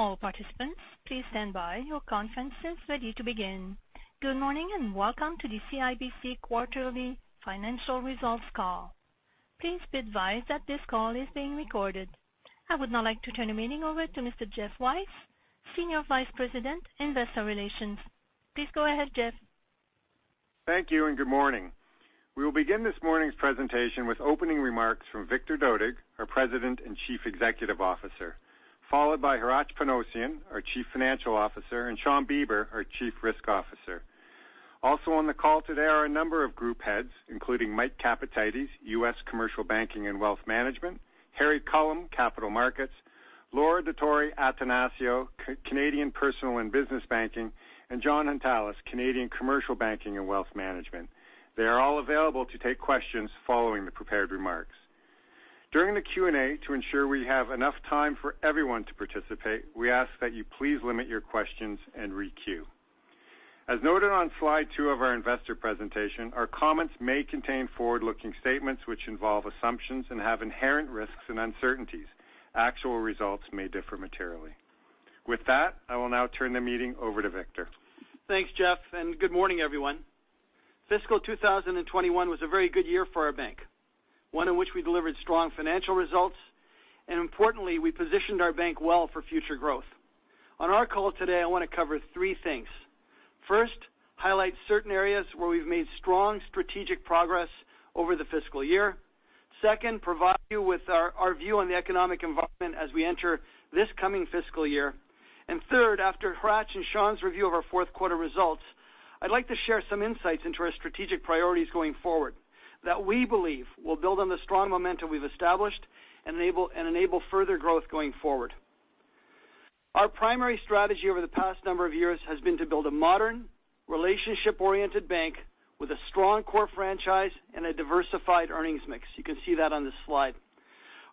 Good morning, and welcome to the CIBC Quarterly Financial Results Call. Please be advised that this call is being recorded. I would now like to turn the meeting over to Mr. Geoff Weiss, Senior Vice President, Investor Relations. Please go ahead, Geoff. Thank you and good morning. We will begin this morning's presentation with opening remarks from Victor Dodig, our President and Chief Executive Officer, followed by Hratch Panossian, our Chief Financial Officer, and Shawn Beber, our Chief Risk Officer. Also on the call today are a number of group heads, including Michael Capatides, U.S. Commercial Banking and Wealth Management, Harry Culham, Capital Markets, Laura Dottori-Attanasio, Canadian Personal and Business Banking, and Jon Hountalas, Canadian Commercial Banking and Wealth Management. They are all available to take questions following the prepared remarks. During the Q&A, to ensure we have enough time for everyone to participate, we ask that you please limit your questions and re-queue. As noted on Slide Two of our investor presentation, our comments may contain forward-looking statements which involve assumptions and have inherent risks and uncertainties. Actual results may differ materially. With that, I will now turn the meeting over to Victor. Thanks, Geoff, and good morning, everyone. Fiscal 2021 was a very good year for our bank, one in which we delivered strong financial results, and importantly, we positioned our bank well for future growth. On our call today, I wanna cover three things. First, highlight certain areas where we've made strong strategic progress over the fiscal year. Second, provide you with our view on the economic environment as we enter this coming fiscal year. Third, after Hratch and Shawn's review of our fourth quarter results, I'd like to share some insights into our strategic priorities going forward that we believe will build on the strong momentum we've established and enable further growth going forward. Our primary strategy over the past number of years has been to build a modern, relationship-oriented bank with a strong core franchise and a diversified earnings mix. You can see that on the slide.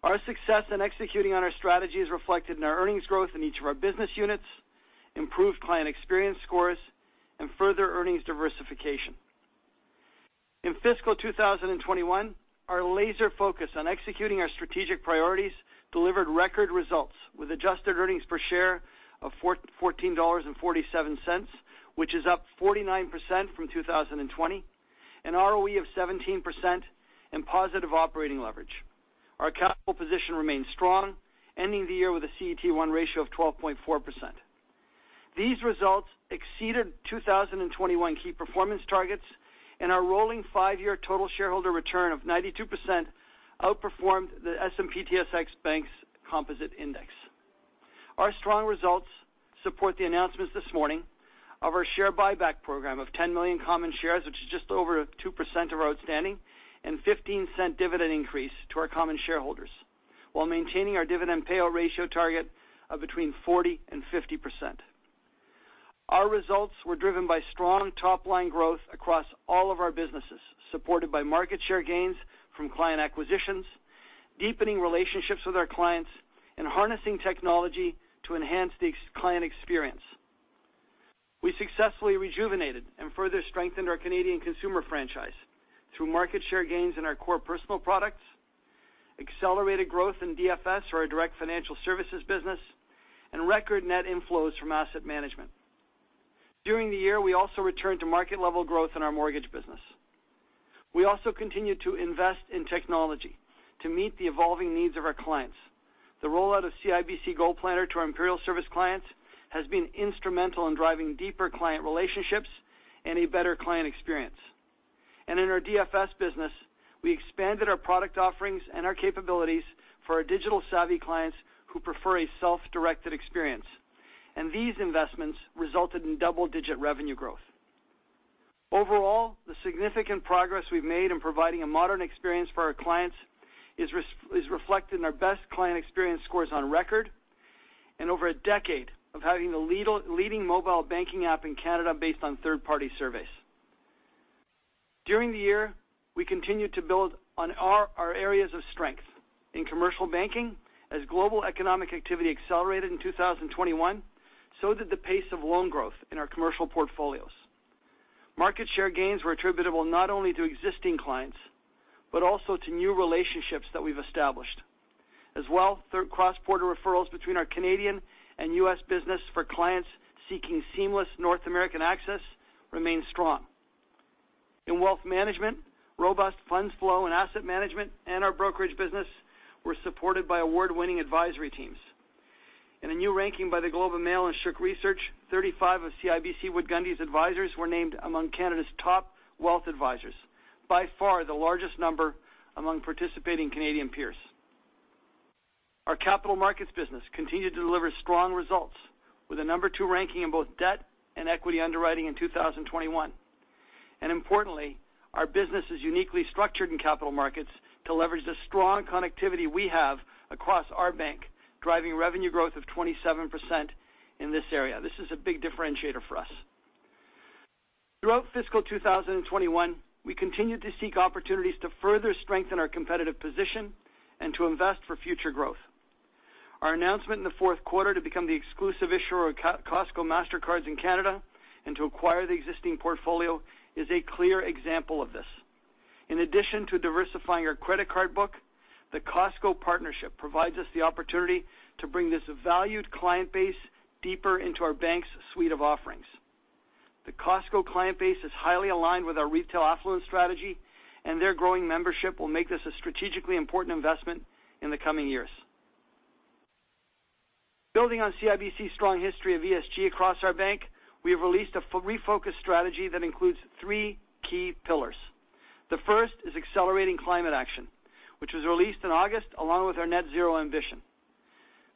Our success in executing on our strategy is reflected in our earnings growth in each of our business units, improved client experience scores, and further earnings diversification. In fiscal 2021, our laser focus on executing our strategic priorities delivered record results with adjusted earnings per share of 14.47 dollars, which is up 49% from 2020, an ROE of 17% and positive operating leverage. Our capital position remains strong, ending the year with a CET1 ratio of 12.4%. These results exceeded 2021 key performance targets, and our rolling five-year total shareholder return of 92% outperformed the S&P/TSX Composite Index Banks. Our strong results support the announcements this morning of our share buyback program of 10 million common shares, which is just over 2% of our outstanding, and 0.15 dividend increase to our common shareholders while maintaining our dividend payout ratio target of between 40% and 50%. Our results were driven by strong top-line growth across all of our businesses, supported by market share gains from client acquisitions, deepening relationships with our clients, and harnessing technology to enhance the client experience. We successfully rejuvenated and further strengthened our Canadian consumer franchise through market share gains in our core personal products, accelerated growth in DFS or our Direct Financial Services business, and record net inflows from asset management. During the year, we also returned to market-level growth in our mortgage business. We also continued to invest in technology to meet the evolving needs of our clients. The rollout of CIBC GoalPlanner to our Imperial Service clients has been instrumental in driving deeper client relationships and a better client experience. In our DFS business, we expanded our product offerings and our capabilities for our digital-savvy clients who prefer a self-directed experience. These investments resulted in double-digit revenue growth. Overall, the significant progress we've made in providing a modern experience for our clients is reflected in our best client experience scores on record and over a decade of having the leading mobile banking app in Canada based on third-party surveys. During the year, we continued to build on our areas of strength. In commercial banking, as global economic activity accelerated in 2021, so did the pace of loan growth in our commercial portfolios. Market share gains were attributable not only to existing clients, but also to new relationships that we've established. As well, cross-border referrals between our Canadian and U.S. business for clients seeking seamless North American access remained strong. In wealth management, robust funds flow and asset management and our brokerage business were supported by award-winning advisory teams. In a new ranking by The Globe and Mail and SHOOK Research, 35 of CIBC Wood Gundy's advisors were named among Canada's top wealth advisors, by far the largest number among participating Canadian peers. Our capital markets business continued to deliver strong results with a number two ranking in both debt and equity underwriting in 2021. Importantly, our business is uniquely structured in capital markets to leverage the strong connectivity we have across our bank, driving revenue growth of 27% in this area. This is a big differentiator for us. Throughout fiscal 2021, we continued to seek opportunities to further strengthen our competitive position and to invest for future growth. Our announcement in the fourth quarter to become the exclusive issuer of co-branded Costco Mastercards in Canada and to acquire the existing portfolio is a clear example of this. In addition to diversifying our credit card book, the Costco partnership provides us the opportunity to bring this valued client base deeper into our bank's suite of offerings. The Costco client base is highly aligned with our retail affluent strategy, and their growing membership will make this a strategically important investment in the coming years. Building on CIBC's strong history of ESG across our bank, we have released a refocused strategy that includes three key pillars. The first is accelerating climate action, which was released in August along with our net zero ambition.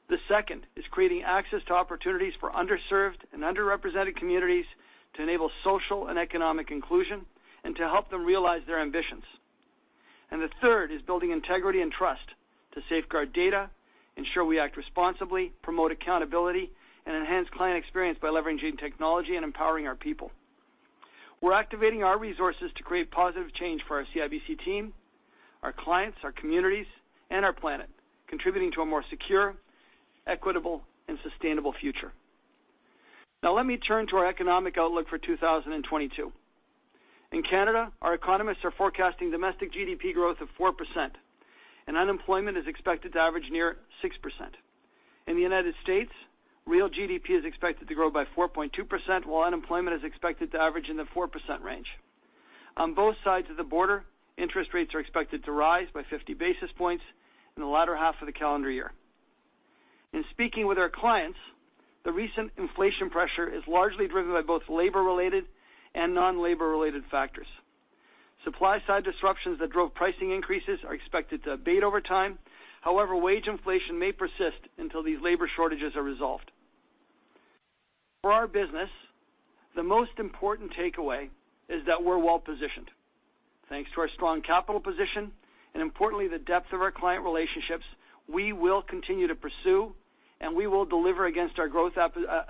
The second is creating access to opportunities for underserved and underrepresented communities to enable social and economic inclusion and to help them realize their ambitions. The third is building integrity and trust to safeguard data, ensure we act responsibly, promote accountability, and enhance client experience by leveraging technology and empowering our people. We're activating our resources to create positive change for our CIBC team, our clients, our communities, and our planet, contributing to a more secure, equitable, and sustainable future. Now let me turn to our economic outlook for 2022. In Canada, our economists are forecasting domestic GDP growth of 4% and unemployment is expected to average near 6%. In the United States, real GDP is expected to grow by 4.2%, while unemployment is expected to average in the 4% range. On both sides of the border, interest rates are expected to rise by 50 basis points in the latter half of the calendar year. In speaking with our clients, the recent inflation pressure is largely driven by both labor-related and non-labor-related factors. Supply-side disruptions that drove pricing increases are expected to abate over time. However, wage inflation may persist until these labor shortages are resolved. For our business, the most important takeaway is that we're well-positioned. Thanks to our strong capital position and importantly, the depth of our client relationships, we will continue to pursue, and we will deliver against our growth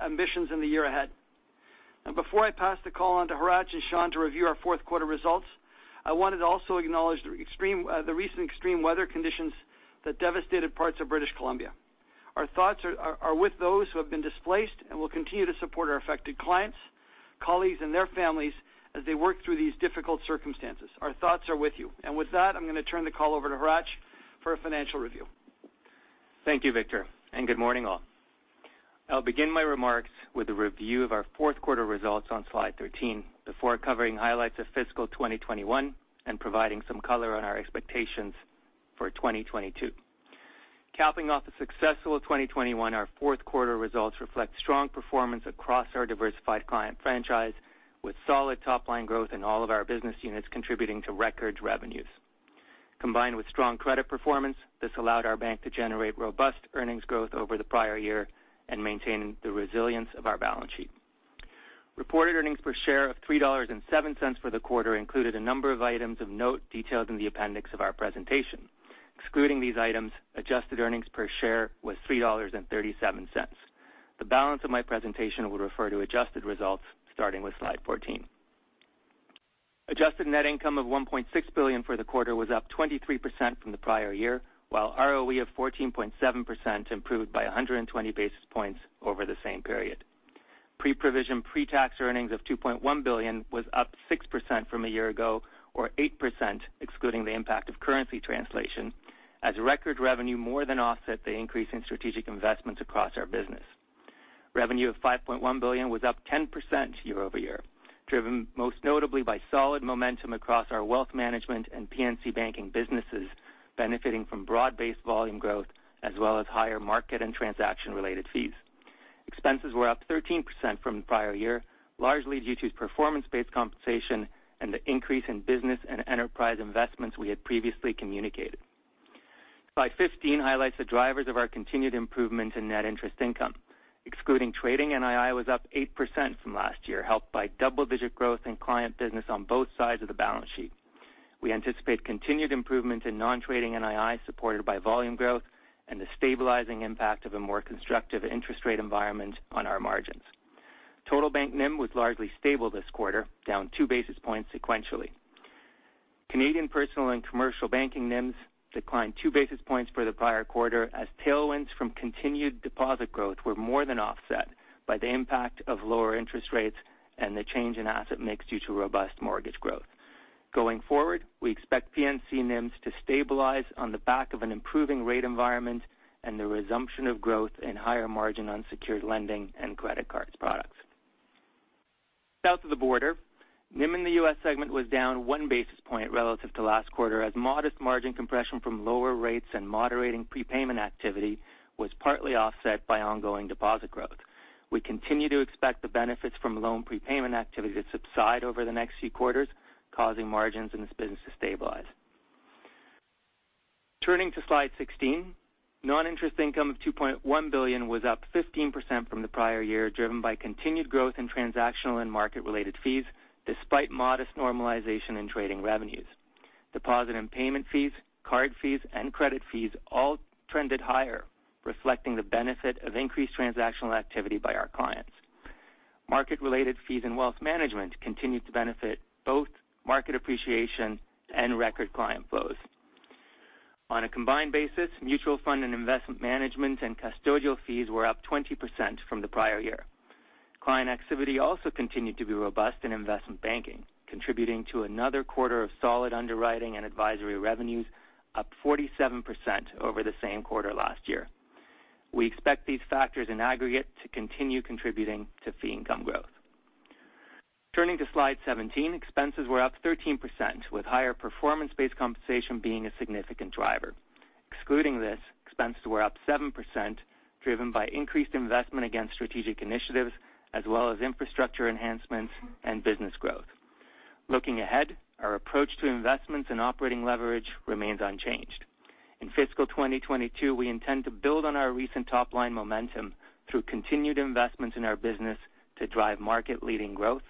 ambitions in the year ahead. Before I pass the call on to Hratch and Shawn to review our fourth quarter results, I wanted to also acknowledge the recent extreme weather conditions that devastated parts of British Columbia. Our thoughts are with those who have been displaced and will continue to support our affected clients, colleagues, and their families as they work through these difficult circumstances. Our thoughts are with you. With that, I'm gonna turn the call over to Hratch for a financial review. Thank you, Victor, and good morning, all. I'll begin my remarks with a review of our fourth quarter results on Slide 13 before covering highlights of fiscal 2021 and providing some color on our expectations for 2022. Capping off a successful 2021, our fourth quarter results reflect strong performance across our diversified client franchise, with solid top-line growth in all of our business units contributing to record revenues. Combined with strong credit performance, this allowed our bank to generate robust earnings growth over the prior year and maintain the resilience of our balance sheet. Reported earnings per share of 3.07 dollars for the quarter included a number of items of note detailed in the appendix of our presentation. Excluding these items, adjusted earnings per share was 3.37 dollars. The balance of my presentation will refer to adjusted results starting with Slide 14. Adjusted net income of 1.6 billion for the quarter was up 23% from the prior year, while ROE of 14.7% improved by 120 basis points over the same period. Pre-provision, pre-tax earnings of 2.1 billion was up 6% from a year ago, or 8% excluding the impact of currency translation, as record revenue more than offset the increase in strategic investments across our business. Revenue of CAD 5.1 billion was up 10% year-over-year, driven most notably by solid momentum across our wealth management and P&C banking businesses, benefiting from broad-based volume growth as well as higher market and transaction-related fees. Expenses were up 13% from the prior year, largely due to performance-based compensation and the increase in business and enterprise investments we had previously communicated. Slide 15 highlights the drivers of our continued improvement in net interest income. Excluding trading, NII was up 8% from last year, helped by double-digit growth in client business on both sides of the balance sheet. We anticipate continued improvement in non-trading NII supported by volume growth and the stabilizing impact of a more constructive interest rate environment on our margins. Total bank NIM was largely stable this quarter, down 2 basis points sequentially. Canadian personal and commercial banking NIMs declined 2 basis points for the prior quarter as tailwinds from continued deposit growth were more than offset by the impact of lower interest rates and the change in asset mix due to robust mortgage growth. Going forward, we expect P&C NIMs to stabilize on the back of an improving rate environment and the resumption of growth in higher margin unsecured lending and credit cards products. South of the border, NIM in the U.S. segment was down one basis point relative to last quarter, as modest margin compression from lower rates and moderating prepayment activity was partly offset by ongoing deposit growth. We continue to expect the benefits from loan prepayment activity to subside over the next few quarters, causing margins in this business to stabilize. Turning to Slide 16, non-interest income of 2.1 billion was up 15% from the prior year, driven by continued growth in transactional and market-related fees despite modest normalization in trading revenues. Deposit and payment fees, card fees, and credit fees all trended higher, reflecting the benefit of increased transactional activity by our clients. Market-related fees and wealth management continued to benefit both market appreciation and record client flows. On a combined basis, mutual fund and investment management and custodial fees were up 20% from the prior year. Client activity also continued to be robust in investment banking, contributing to another quarter of solid underwriting and advisory revenues, up 47% over the same quarter last year. We expect these factors in aggregate to continue contributing to fee income growth. Turning to Slide 17, expenses were up 13%, with higher performance-based compensation being a significant driver. Excluding this, expenses were up 7%, driven by increased investment against strategic initiatives as well as infrastructure enhancements and business growth. Looking ahead, our approach to investments and operating leverage remains unchanged. In fiscal 2022, we intend to build on our recent top-line momentum through continued investments in our business to drive market-leading growth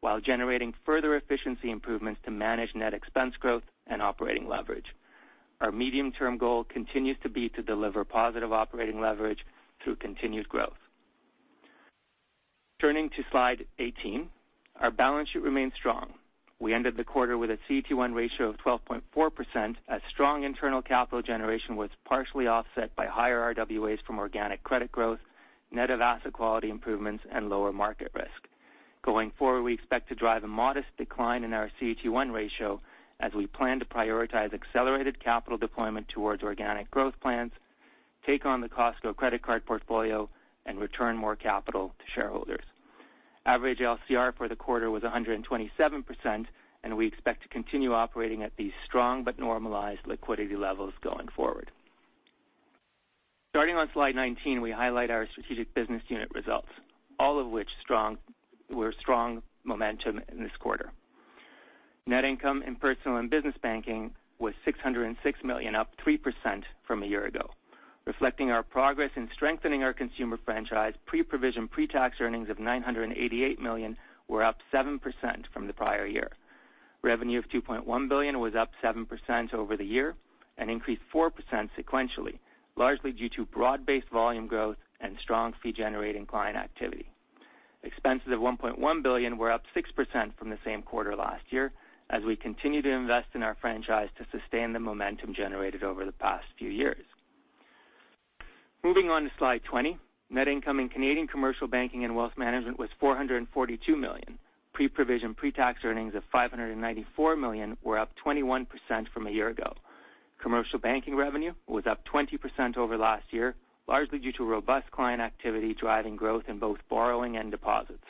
while generating further efficiency improvements to manage net expense growth and operating leverage. Our medium-term goal continues to be to deliver positive operating leverage through continued growth. Turning to Slide 18, our balance sheet remains strong. We ended the quarter with a CET1 ratio of 12.4% as strong internal capital generation was partially offset by higher RWAs from organic credit growth, net of asset quality improvements and lower market risk. Going forward, we expect to drive a modest decline in our CET1 ratio as we plan to prioritize accelerated capital deployment towards organic growth plans, take on the Costco credit card portfolio, and return more capital to shareholders. Average LCR for the quarter was 127%, and we expect to continue operating at these strong but normalized liquidity levels going forward. Starting on Slide 19, we highlight our strategic business unit results, all of which were strong momentum in this quarter. Net income in Personal and Business Banking was 606 million, up 3% from a year ago. Reflecting our progress in strengthening our consumer franchise, pre-provision, pre-tax earnings of CAD 988 million were up 7% from the prior year. Revenue of CAD 2.1 billion was up 7% over the year and increased 4% sequentially, largely due to broad-based volume growth and strong fee-generating client activity. Expenses of 1.1 billion were up 6% from the same quarter last year as we continue to invest in our franchise to sustain the momentum generated over the past few years. Moving on to Slide 20, net income in Canadian commercial banking and wealth management was 442 million. Pre-provision, pre-tax earnings of 594 million were up 21% from a year ago. Commercial banking revenue was up 20% over last year, largely due to robust client activity driving growth in both borrowing and deposits.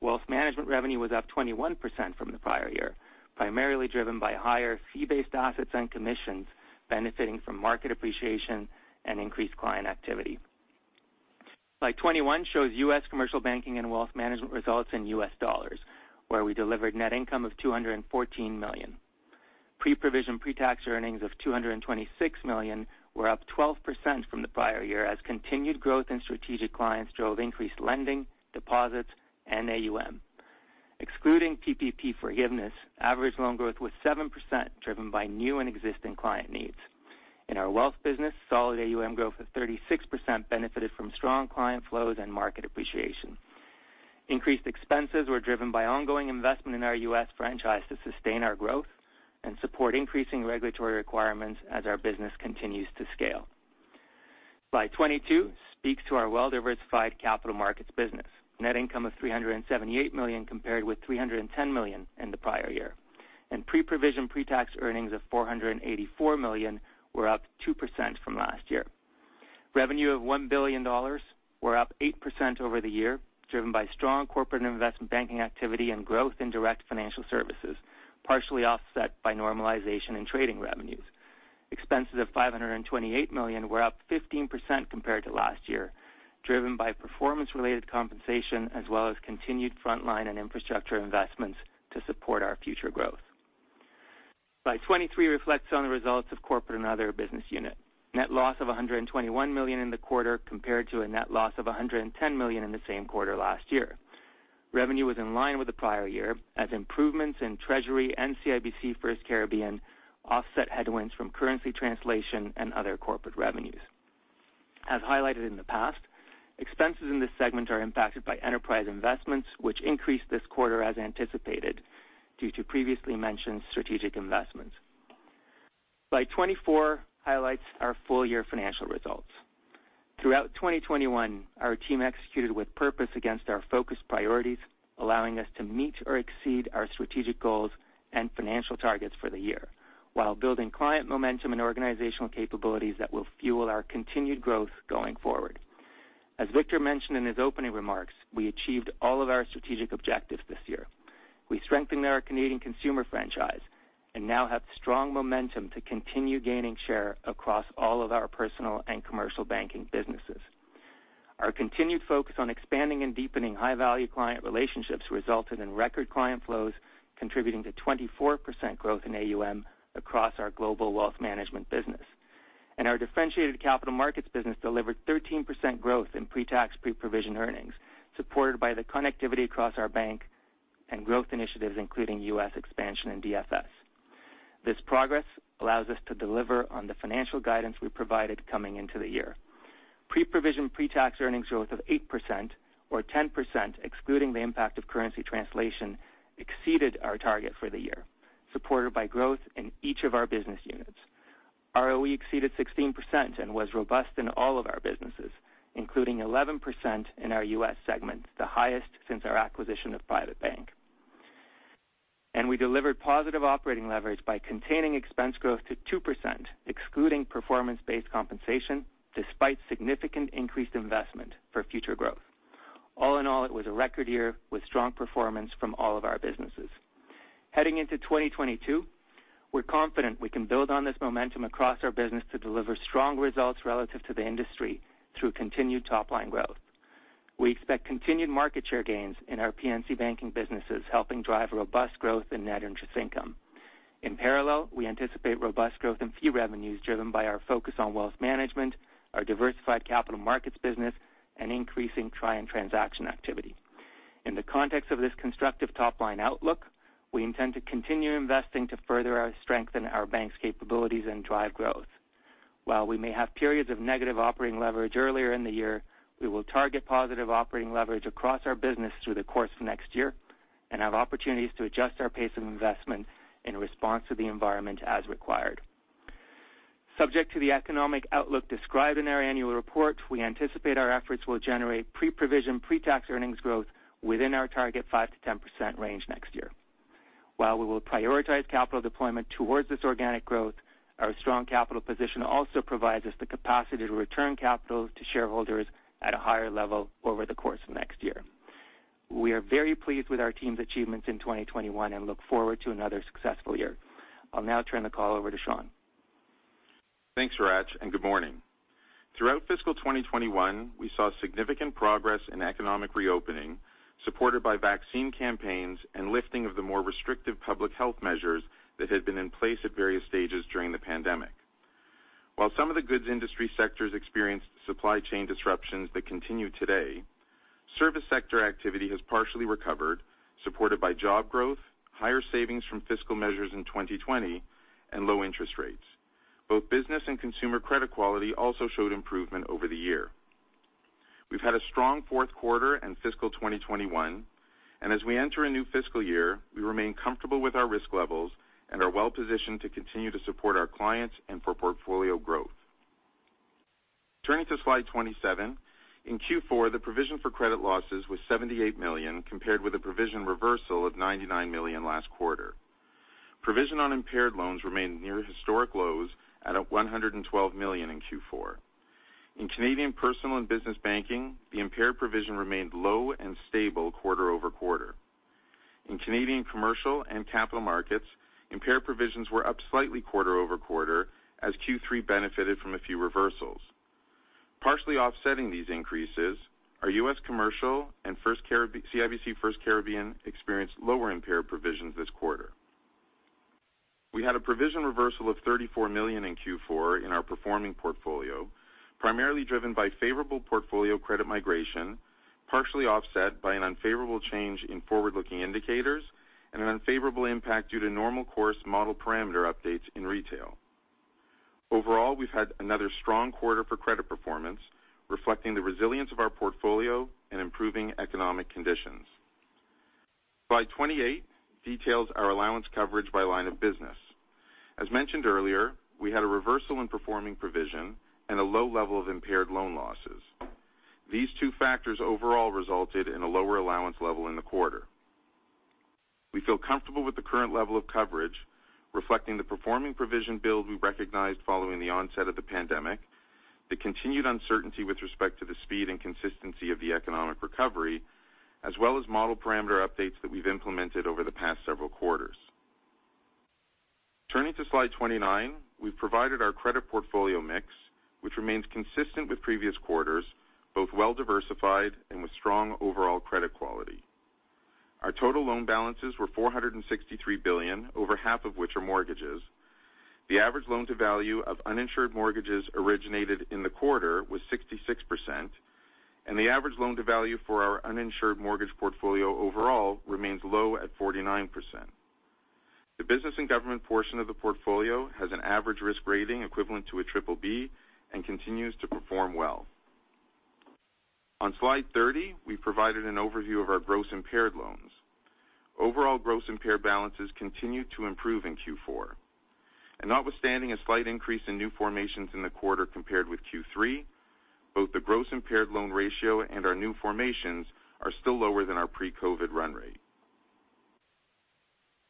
Wealth management revenue was up 21% from the prior year, primarily driven by higher fee-based assets and commissions benefiting from market appreciation and increased client activity. Slide 21 shows U.S. commercial banking and wealth management results in U.S. dollars, where we delivered net income of $214 million. Pre-provision, pre-tax earnings of $226 million were up 12% from the prior year as continued growth in strategic clients drove increased lending, deposits, and AUM. Excluding PPP forgiveness, average loan growth was 7% driven by new and existing client needs. In our wealth business, solid AUM growth of 36% benefited from strong client flows and market appreciation. Increased expenses were driven by ongoing investment in our U.S. franchise to sustain our growth and support increasing regulatory requirements as our business continues to scale. Slide 22 speaks to our well-diversified capital markets business. Net income of 378 million compared with 310 million in the prior year, and pre-provision, pre-tax earnings of 484 million were up 2% from last year. Revenue of 1 billion dollars were up 8% over the year, driven by strong corporate investment banking activity and growth in direct financial services, partially offset by normalization in trading revenues. Expenses of 528 million were up 15% compared to last year, driven by performance-related compensation as well as continued frontline and infrastructure investments to support our future growth. Slide 23 reflects on the results of corporate and other business unit. Net loss of CAD 121 million in the quarter compared to a net loss of CAD 110 million in the same quarter last year. Revenue was in line with the prior year as improvements in Treasury and CIBC FirstCaribbean offset headwinds from currency translation and other corporate revenues. As highlighted in the past, expenses in this segment are impacted by enterprise investments, which increased this quarter as anticipated due to previously mentioned strategic investments. Slide 24 highlights our full-year financial results. Throughout 2021, our team executed with purpose against our focused priorities, allowing us to meet or exceed our strategic goals and financial targets for the year while building client momentum and organizational capabilities that will fuel our continued growth going forward. As Victor mentioned in his opening remarks, we achieved all of our strategic objectives this year. We strengthened our Canadian consumer franchise and now have strong momentum to continue gaining share across all of our personal and commercial banking businesses. Our continued focus on expanding and deepening high-value client relationships resulted in record client flows, contributing to 24% growth in AUM across our global wealth management business. Our differentiated capital markets business delivered 13% growth in pre-tax, pre-provision earnings, supported by the connectivity across our bank and growth initiatives, including U.S. expansion and DFS. This progress allows us to deliver on the financial guidance we provided coming into the year. Pre-provision, pre-tax earnings growth of 8% or 10%, excluding the impact of currency translation, exceeded our target for the year, supported by growth in each of our business units. ROE exceeded 16% and was robust in all of our businesses, including 11% in our U.S. segment, the highest since our acquisition of PrivateBancorp. We delivered positive operating leverage by containing expense growth to 2% excluding performance-based compensation despite significant increased investment for future growth. All in all, it was a record year with strong performance from all of our businesses. Heading into 2022, we're confident we can build on this momentum across our business to deliver strong results relative to the industry through continued top line growth. We expect continued market share gains in our P&C banking businesses, helping drive robust growth in net interest income. In parallel, we anticipate robust growth in fee revenues driven by our focus on wealth management, our diversified capital markets business, and increasing triune transaction activity. In the context of this constructive top line outlook, we intend to continue investing to further strengthen our bank's capabilities and drive growth. While we may have periods of negative operating leverage earlier in the year, we will target positive operating leverage across our business through the course of next year and have opportunities to adjust our pace of investment in response to the environment as required. Subject to the economic outlook described in our annual report, we anticipate our efforts will generate pre-provision, pre-tax earnings growth within our target 5%-10% range next year. While we will prioritize capital deployment towards this organic growth, our strong capital position also provides us the capacity to return capital to shareholders at a higher level over the course of next year. We are very pleased with our team's achievements in 2021 and look forward to another successful year. I'll now turn the call over to Shawn. Thanks, Hratch, and good morning. Throughout fiscal 2021, we saw significant progress in economic reopening, supported by vaccine campaigns and lifting of the more restrictive public health measures that had been in place at various stages during the pandemic. While some of the goods industry sectors experienced supply chain disruptions that continue today, service sector activity has partially recovered, supported by job growth, higher savings from fiscal measures in 2020, and low interest rates. Both business and consumer credit quality also showed improvement over the year. We've had a strong fourth quarter and fiscal 2021, and as we enter a new fiscal year, we remain comfortable with our risk levels and are well-positioned to continue to support our clients and for portfolio growth. Turning to Slide 27, in Q4, the provision for credit losses was CAD 78 million, compared with a provision reversal of CAD 99 million last quarter. Provision on impaired loans remained near historic lows at CAD 112 million in Q4. In Canadian Personal and Business Banking, the impaired provision remained low and stable quarter-over-quarter. In Canadian Commercial and Capital Markets, impaired provisions were up slightly quarter-over-quarter as Q3 benefited from a few reversals. Partially offsetting these increases, our U.S. Commercial and CIBC FirstCaribbean experienced lower impaired provisions this quarter. We had a provision reversal of 34 million in Q4 in our performing portfolio, primarily driven by favorable portfolio credit migration, partially offset by an unfavorable change in forward-looking indicators and an unfavorable impact due to normal course model parameter updates in retail. Overall, we've had another strong quarter for credit performance, reflecting the resilience of our portfolio and improving economic conditions. Slide 28 details our allowance coverage by line of business. As mentioned earlier, we had a reversal in performing provision and a low level of impaired loan losses. These two factors overall resulted in a lower allowance level in the quarter. We feel comfortable with the current level of coverage, reflecting the performing provision build we recognized following the onset of the pandemic, the continued uncertainty with respect to the speed and consistency of the economic recovery, as well as model parameter updates that we've implemented over the past several quarters. Turning to Slide 29, we've provided our credit portfolio mix, which remains consistent with previous quarters, both well-diversified and with strong overall credit quality. Our total loan balances were 463 billion, over half of which are mortgages. The average loan-to-value of uninsured mortgages originated in the quarter was 66%, and the average loan-to-value for our uninsured mortgage portfolio overall remains low at 49%. The business and government portion of the portfolio has an average risk rating equivalent to a BBB and continues to perform well. On Slide 30, we provided an overview of our gross impaired loans. Overall gross impaired balances continued to improve in Q4. Notwithstanding a slight increase in new formations in the quarter compared with Q3, both the gross impaired loan ratio and our new formations are still lower than our pre-COVID run rate.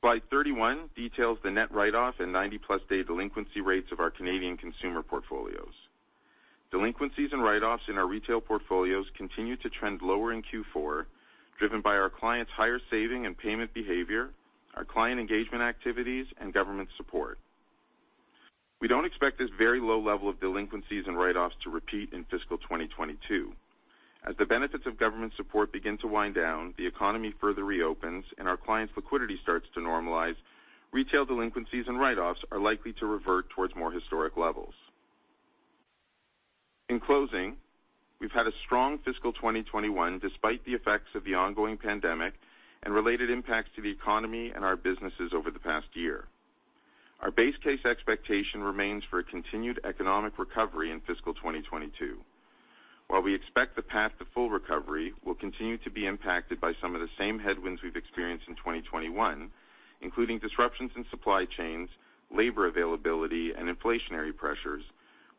Slide 31 details the net write-off and 90+ day delinquency rates of our Canadian consumer portfolios. Delinquencies and write-offs in our retail portfolios continued to trend lower in Q4, driven by our clients' higher saving and payment behavior, our client engagement activities, and government support. We don't expect this very low level of delinquencies and write-offs to repeat in fiscal 2022. As the benefits of government support begin to wind down, the economy further reopens, and our clients' liquidity starts to normalize, retail delinquencies and write-offs are likely to revert towards more historic levels. In closing, we've had a strong fiscal 2021 despite the effects of the ongoing pandemic and related impacts to the economy and our businesses over the past year. Our base case expectation remains for a continued economic recovery in fiscal 2022. While we expect the path to full recovery will continue to be impacted by some of the same headwinds we've experienced in 2021, including disruptions in supply chains, labor availability, and inflationary pressures,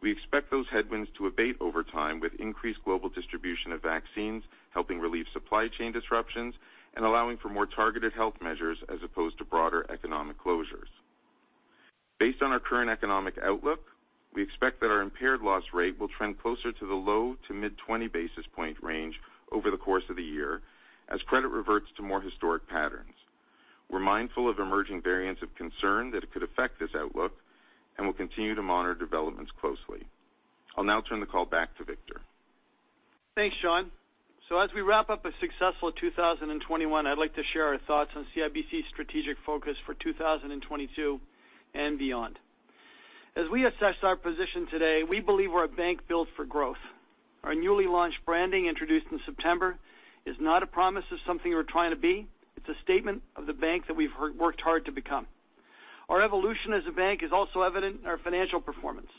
we expect those headwinds to abate over time with increased global distribution of vaccines, helping relieve supply chain disruptions and allowing for more targeted health measures as opposed to broader economic closures. Based on our current economic outlook, we expect that our impaired loss rate will trend closer to the low- to mid-20 basis point range over the course of the year as credit reverts to more historic patterns. We're mindful of emerging variants of concern that it could affect this outlook, and we'll continue to monitor developments closely. I'll now turn the call back to Victor. Thanks, Shawn. As we wrap up a successful 2021, I'd like to share our thoughts on CIBC's strategic focus for 2022 and beyond. As we assess our position today, we believe we're a bank built for growth. Our newly launched branding introduced in September is not a promise of something we're trying to be. It's a statement of the bank that we've worked hard to become. Our evolution as a bank is also evident in our financial performance.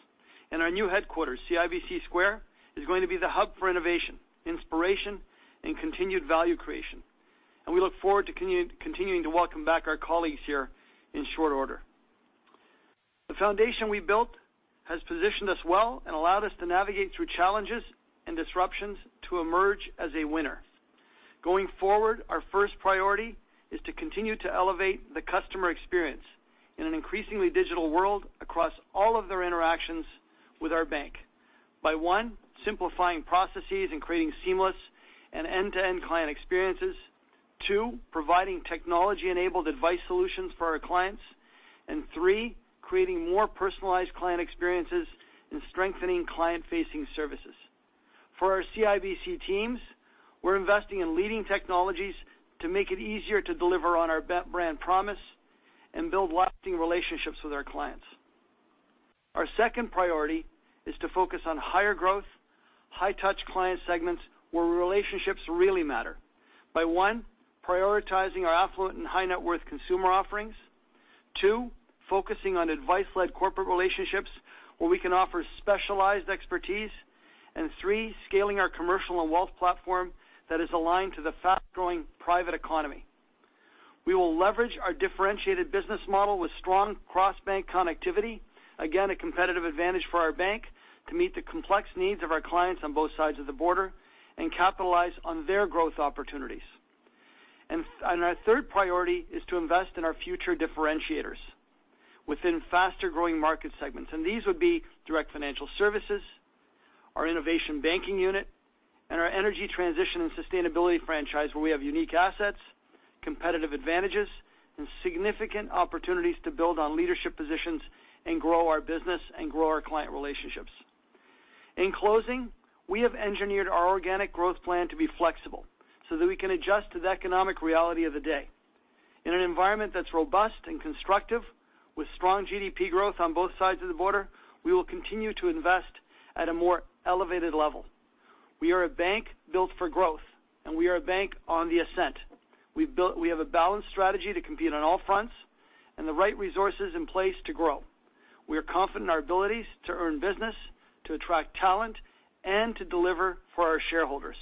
Our new headquarters, CIBC Square, is going to be the hub for innovation, inspiration, and continued value creation. We look forward to continuing to welcome back our colleagues here in short order. The foundation we built has positioned us well and allowed us to navigate through challenges and disruptions to emerge as a winner. Going forward, our first priority is to continue to elevate the customer experience in an increasingly digital world across all of their interactions with our bank by, one, simplifying processes and creating seamless and end-to-end client experiences, two, providing technology-enabled advice solutions for our clients, and three, creating more personalized client experiences and strengthening client-facing services. For our CIBC teams, we're investing in leading technologies to make it easier to deliver on our brand promise and build lasting relationships with our clients. Our second priority is to focus on higher growth, high-touch client segments where relationships really matter by, one, prioritizing our affluent and high-net-worth consumer offerings, two, focusing on advice-led corporate relationships where we can offer specialized expertise, and three, scaling our commercial and wealth platform that is aligned to the fast-growing private economy. We will leverage our differentiated business model with strong cross-bank connectivity, again, a competitive advantage for our bank, to meet the complex needs of our clients on both sides of the border and capitalize on their growth opportunities. Our third priority is to invest in our future differentiators within faster-growing market segments, and these would be Direct Financial Services, our innovation banking unit, and our energy transition and sustainability franchise where we have unique assets, competitive advantages, and significant opportunities to build on leadership positions and grow our business and grow our client relationships. In closing, we have engineered our organic growth plan to be flexible so that we can adjust to the economic reality of the day. In an environment that's robust and constructive with strong GDP growth on both sides of the border, we will continue to invest at a more elevated level. We are a bank built for growth, and we are a bank on the ascent. We have a balanced strategy to compete on all fronts and the right resources in place to grow. We are confident in our abilities to earn business, to attract talent, and to deliver for our shareholders.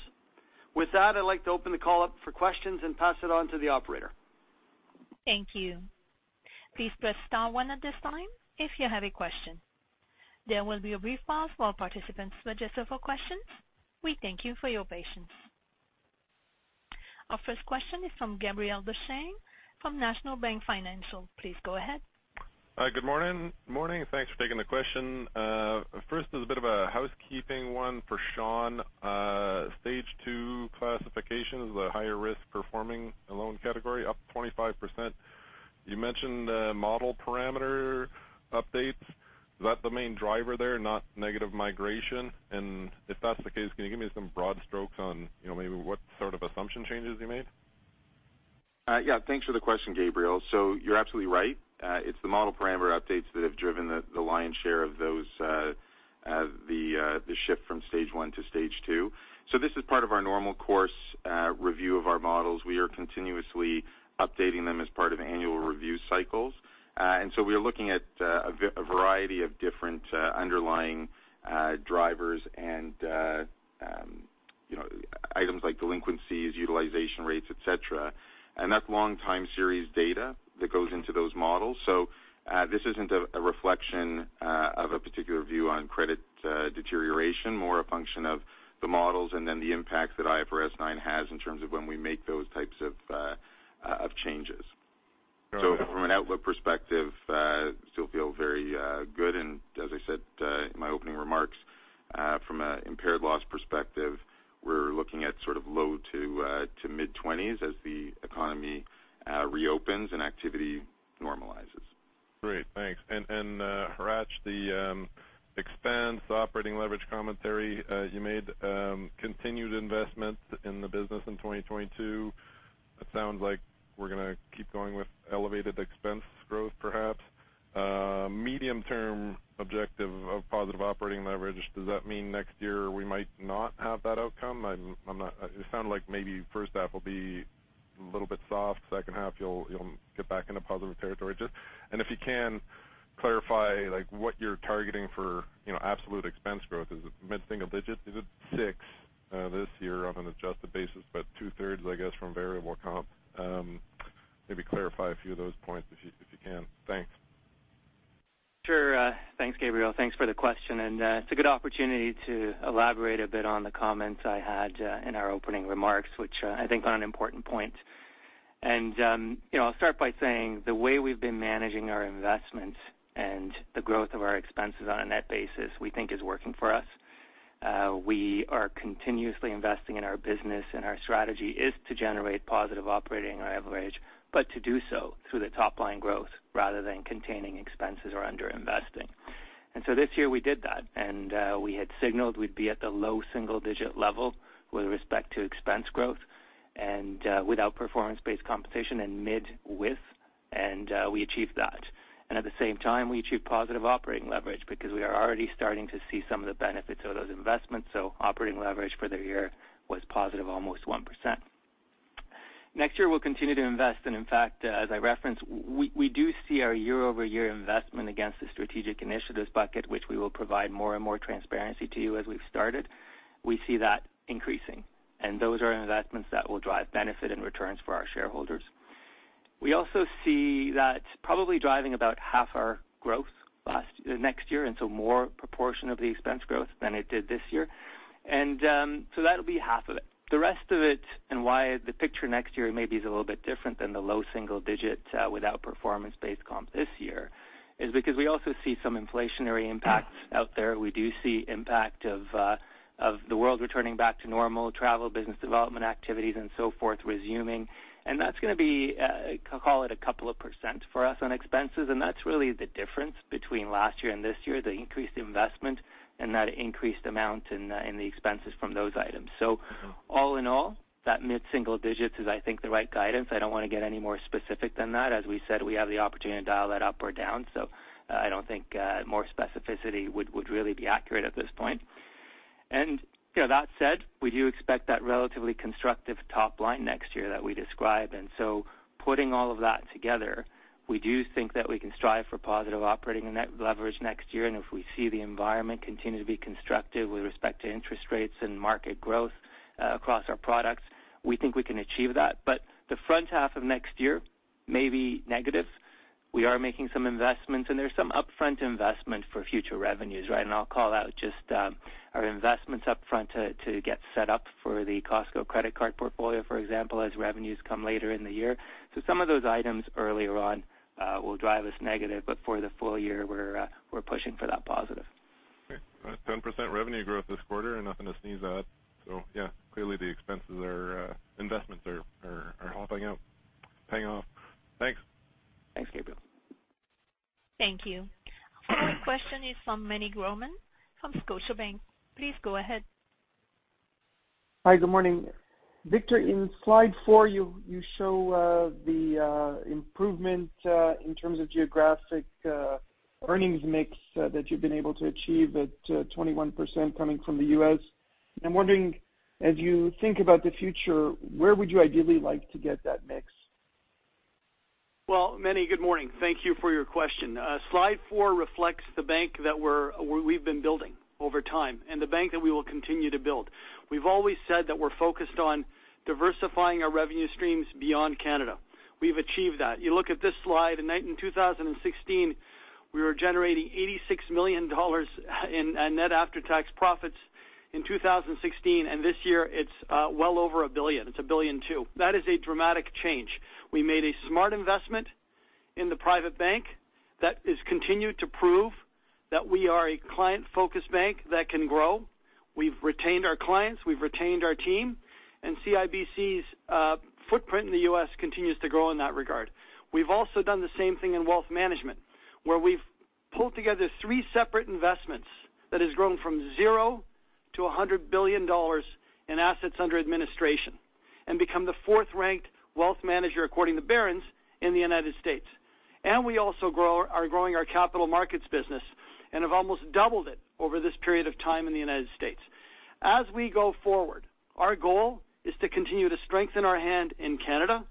With that, I'd like to open the call up for questions and pass it on to the operator. Thank you. Please press star one at this time if you have a question. There will be a brief pause while participants register for questions. We thank you for your patience. Our first question is from Gabriel Dechaine from National Bank Financial. Please go ahead. Good morning. Morning, thanks for taking the question. First is a bit of a housekeeping one for Shawn. Stage two classification is a higher-risk performing loan category, up 25%. You mentioned model parameter updates. Is that the main driver there, not negative migration? If that's the case, can you give me some broad strokes on, you know, maybe what sort of assumption changes you made? Yeah. Thanks for the question, Gabriel. You're absolutely right. It's the model parameter updates that have driven the lion's share of those, the shift from stage one to stage two. This is part of our normal course review of our models. We are continuously updating them as part of annual review cycles. We are looking at a variety of different underlying drivers and, you know, items like delinquencies, utilization rates, et cetera. That's long time series data that goes into those models. This isn't a reflection of a particular view on credit deterioration, more a function of the models and then the impact that IFRS 9 has in terms of when we make those types of changes. Okay. From an outlook perspective, still feel very good. As I said in my opening remarks, from an impaired loss perspective, we're looking at sort of low to mid-twenties as the economy reopens and activity normalizes. Great. Thanks. Hratch, the expense operating leverage commentary you made, continued investment in the business in 2022. It sounds like we're gonna keep going with elevated expense growth, perhaps. Medium-term objective of positive operating leverage, does that mean next year we might not have that outcome? I'm not. It sounded like maybe first half will be a little bit soft, second half you'll get back into positive territory. If you can clarify, like, what you're targeting for, you know, absolute expense growth. Is it mid-single digit? Is it 6% this year on an adjusted basis but 2/3, I guess, from variable comp? Maybe clarify a few of those points if you can. Thanks. Sure. Thanks, Gabriel. Thanks for the question. It's a good opportunity to elaborate a bit on the comments I had in our opening remarks, which I think are an important point. You know, I'll start by saying the way we've been managing our investments and the growth of our expenses on a net basis, we think is working for us. We are continuously investing in our business, and our strategy is to generate positive operating leverage, but to do so through the top line growth rather than containing expenses or underinvesting. This year we did that, and we had signaled we'd be at the low single digit level with respect to expense growth and without performance-based compensation and merit increases, and we achieved that. At the same time, we achieved positive operating leverage because we are already starting to see some of the benefits of those investments. Operating leverage for the year was positive almost 1%. Next year we'll continue to invest, and in fact, as I referenced, we do see our year-over-year investment against the strategic initiatives bucket, which we will provide more and more transparency to you as we've started. We see that increasing, and those are investments that will drive benefit and returns for our shareholders. We also see that probably driving about half our growth next year, and so more proportion of the expense growth than it did this year. That'll be half of it. The rest of it, and why the picture next year maybe is a little bit different than the low single digit without performance-based comp this year, is because we also see some inflationary impacts out there. We do see impact of the world returning back to normal travel, business development activities and so forth resuming. That's gonna be call it a couple of percent for us on expenses, and that's really the difference between last year and this year, the increased investment and that increased amount in the expenses from those items. All in all, that mid-single digits is, I think, the right guidance. I don't wanna get any more specific than that. As we said, we have the opportunity to dial that up or down, so I don't think more specificity would really be accurate at this point. You know, that said, we do expect that relatively constructive top line next year that we described. Putting all of that together, we do think that we can strive for positive operating net leverage next year. If we see the environment continue to be constructive with respect to interest rates and market growth, across our products, we think we can achieve that. The front half of next year may be negative. We are making some investments, and there's some upfront investment for future revenues, right? I'll call out just our investments up front to get set up for the Costco credit card portfolio, for example, as revenues come later in the year. Some of those items earlier on will drive us negative, but for the full year we're pushing for that positive. Okay. 10% revenue growth this quarter and nothing to sneeze at. Yeah, clearly the investments are helping out, paying off. Thanks. Thanks, Gabriel. Thank you. Our next question is from Meny Grauman from Scotiabank. Please go ahead. Hi, good morning. Victor, in Slide Four you show the improvement in terms of geographic earnings mix that you've been able to achieve at 21% coming from the U.S. I'm wondering, as you think about the future, where would you ideally like to get that mix? Well, Meny, good morning. Thank you for your question. Slide Four reflects the bank that we've been building over time and the bank that we will continue to build. We've always said that we're focused on diversifying our revenue streams beyond Canada. We've achieved that. You look at this slide, in 2016, we were generating $86 million in net after-tax profits in 2016, and this year it's well over $1 billion. It's $1.2 billion. That is a dramatic change. We made a smart investment in the private bank that has continued to prove that we are a client-focused bank that can grow. We've retained our clients, we've retained our team, and CIBC's footprint in the U.S. continues to grow in that regard. We've also done the same thing in wealth management, where we've pulled together three separate investments that has grown from $0 to $100 billion in assets under administration and become the fourth-ranked wealth manager, according to Barron's, in the United States. We also are growing our capital markets business and have almost doubled it over this period of time in the United States. As we go forward, our goal is to continue to strengthen our hand in Canada.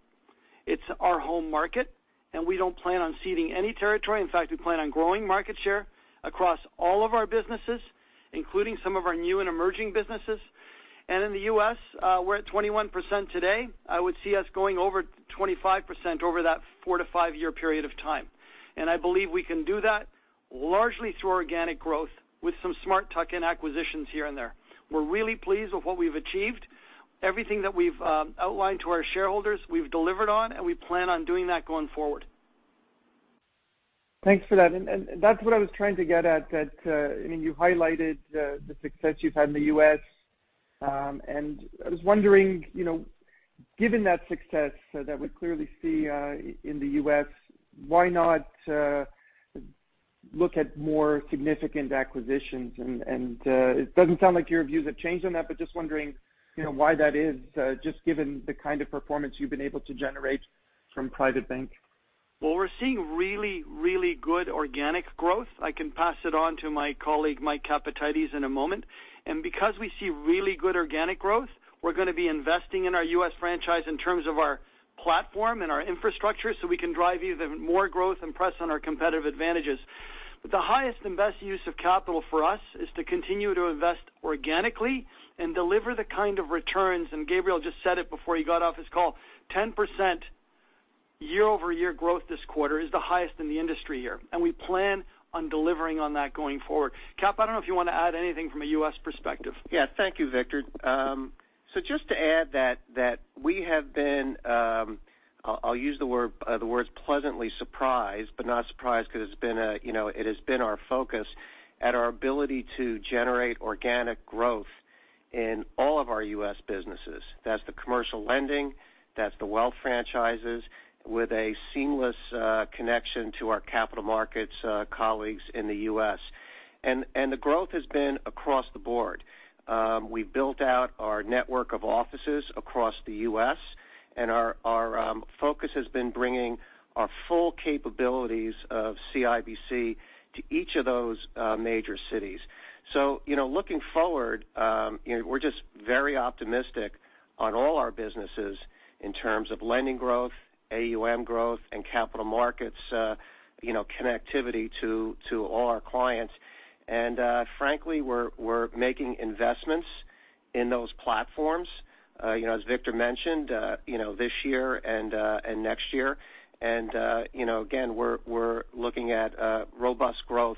It's our home market, and we don't plan on ceding any territory. In fact, we plan on growing market share across all of our businesses, including some of our new and emerging businesses. In the U.S., we're at 21% today. I would see us going over 25% over that four-year to five-year period of time. I believe we can do that largely through organic growth with some smart tuck-in acquisitions here and there. We're really pleased with what we've achieved. Everything that we've outlined to our shareholders, we've delivered on, and we plan on doing that going forward. Thanks for that. That's what I was trying to get at. I mean, you highlighted the success you've had in the U.S. I was wondering, you know, given that success that we clearly see in the U.S., why not look at more significant acquisitions and it doesn't sound like your views have changed on that, but just wondering, you know, why that is, just given the kind of performance you've been able to generate from private bank. Well, we're seeing really, really good organic growth. I can pass it on to my colleague, Mike Capatides, in a moment. Because we see really good organic growth, we're gonna be investing in our U.S. franchise in terms of our platform and our infrastructure, so we can drive even more growth and press on our competitive advantages. The highest and best use of capital for us is to continue to invest organically and deliver the kind of returns, and Gabriel just said it before he got off his call, 10% year-over-year growth this quarter is the highest in the industry here, and we plan on delivering on that going forward. Cap, I don't know if you wanna add anything from a U.S. perspective. Yeah. Thank you, Victor. So just to add that we have been, I'll use the words pleasantly surprised, but not surprised because it's been a, you know, it has been our focus on our ability to generate organic growth in all of our U.S. businesses. That's the commercial lending, that's the wealth franchises with a seamless connection to our capital markets colleagues in the U.S. The growth has been across the board. We've built out our network of offices across the U.S., and our focus has been bringing our full capabilities of CIBC to each of those major cities. You know, looking forward, you know, we're just very optimistic on all our businesses in terms of lending growth, AUM growth and capital markets, you know, connectivity to all our clients. Frankly, we're making investments in those platforms, you know, as Victor mentioned, you know, this year and next year. You know, again, we're looking at robust growth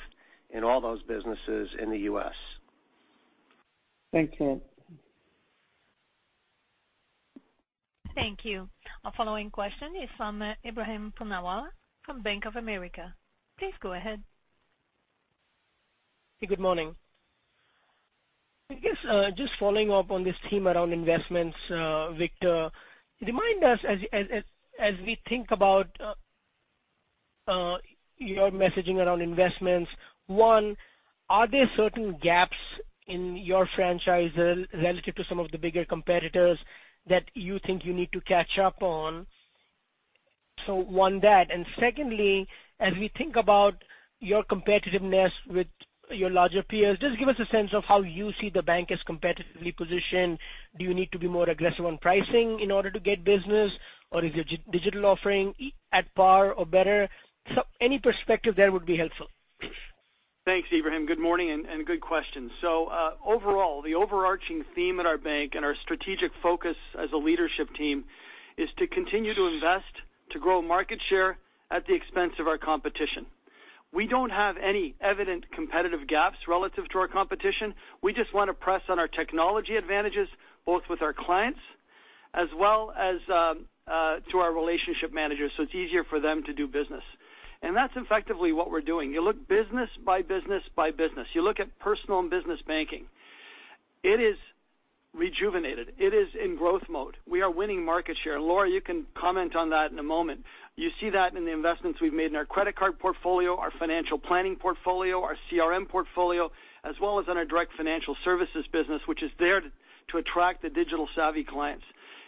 in all those businesses in the U.S. Thank you. Thank you. Our following question is from Ebrahim Poonawala from Bank of America. Please go ahead. Good morning. I guess, just following up on this theme around investments, Victor. Remind us as we think about your messaging around investments, one, are there certain gaps in your franchise relative to some of the bigger competitors that you think you need to catch up on? One, that, and secondly, as we think about your competitiveness with your larger peers, just give us a sense of how you see the bank as competitively positioned. Do you need to be more aggressive on pricing in order to get business? Or is your digital offering at par or better? Any perspective there would be helpful. Thanks, Ebrahim. Good morning and good question. Overall, the overarching theme at our bank and our strategic focus as a leadership team is to continue to invest, to grow market share at the expense of our competition. We don't have any evident competitive gaps relative to our competition. We just wanna press on our technology advantages, both with our clients as well as to our relationship managers, so it's easier for them to do business. That's effectively what we're doing. You look business by business. You look at Personal and Business Banking. It is rejuvenated. It is in growth mode. We are winning market share. Laura, you can comment on that in a moment. You see that in the investments we've made in our credit card portfolio, our financial planning portfolio, our CRM portfolio, as well as in our direct financial services business, which is there to attract the digital savvy clients.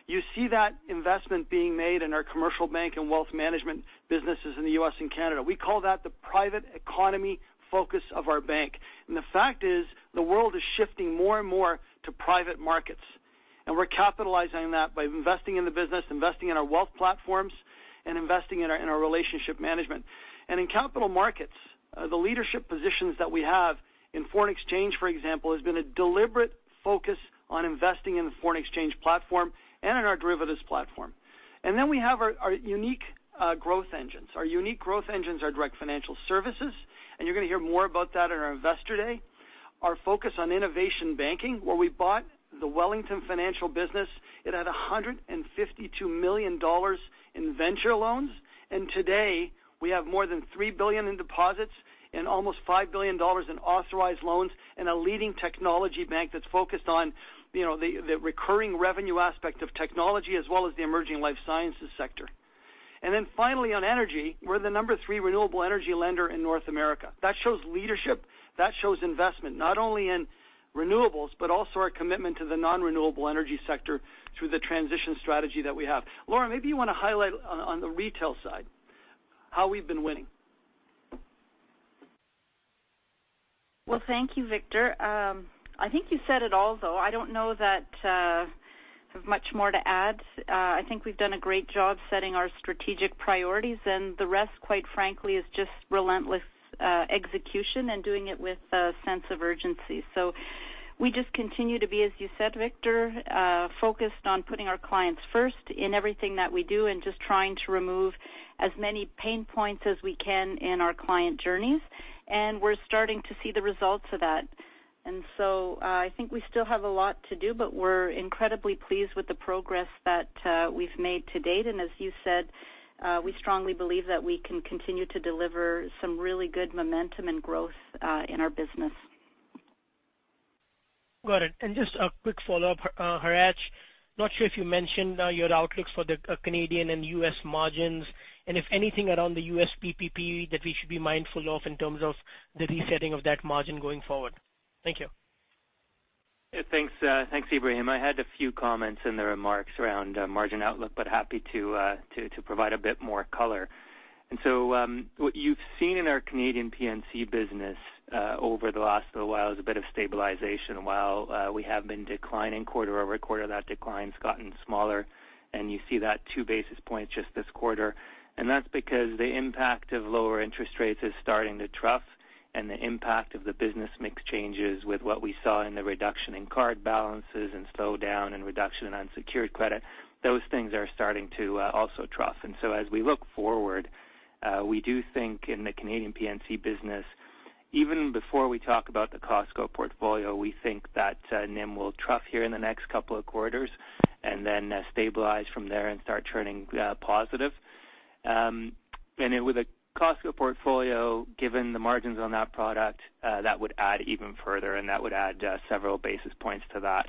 You see that investment being made in our commercial bank and wealth management businesses in the U.S. and Canada. We call that the private economy focus of our bank. The fact is the world is shifting more and more to private markets, and we're capitalizing that by investing in the business, investing in our wealth platforms and investing in our relationship management. In capital markets, the leadership positions that we have in foreign exchange, for example, has been a deliberate focus on investing in the foreign exchange platform and in our derivatives platform. Then we have our unique growth engines. Our unique growth engines are Direct Financial Services, and you're gonna hear more about that in our Investor Day. Our focus on innovation banking, where we bought the Wellington Financial business, it had 152 million dollars in venture loans, and today we have more than 3 billion in deposits and almost 5 billion dollars in authorized loans and a leading technology bank that's focused on, you know, the recurring revenue aspect of technology as well as the emerging life sciences sector. Then finally, on energy, we're the number three renewable energy lender in North America. That shows leadership, that shows investment, not only in renewables, but also our commitment to the non-renewable energy sector through the transition strategy that we have. Laura, maybe you wanna highlight on the retail side how we've been winning. Well, thank you, Victor. I think you said it all, though. I don't know that I have much more to add. I think we've done a great job setting our strategic priorities, and the rest, quite frankly, is just relentless execution and doing it with a sense of urgency. We just continue to be, as you said, Victor, focused on putting our clients first in everything that we do and just trying to remove as many pain points as we can in our client journeys, and we're starting to see the results of that. I think we still have a lot to do, but we're incredibly pleased with the progress that we've made to date. As you said, we strongly believe that we can continue to deliver some really good momentum and growth in our business. Got it. Just a quick follow-up, Hratch, not sure if you mentioned, your outlook for the, Canadian and U.S. margins and if anything around the U.S. PPP that we should be mindful of in terms of the resetting of that margin going forward. Thank you. Yeah, thanks, Ebrahim. I had a few comments in the remarks around margin outlook, but happy to provide a bit more color. What you've seen in our Canadian P&C business over the last little while is a bit of stabilization. While we have been declining quarter-over-quarter, that decline's gotten smaller, and you see that 2 basis points just this quarter. That's because the impact of lower interest rates is starting to trough, and the impact of the business mix changes with what we saw in the reduction in card balances and slowdown and reduction in unsecured credit, those things are starting to also trough. As we look forward, we do think in the Canadian P&C business, even before we talk about the Costco portfolio, we think that NIM will trough here in the next couple of quarters and then stabilize from there and start turning positive. With the Costco portfolio, given the margins on that product, that would add even further, and that would add several basis points to that.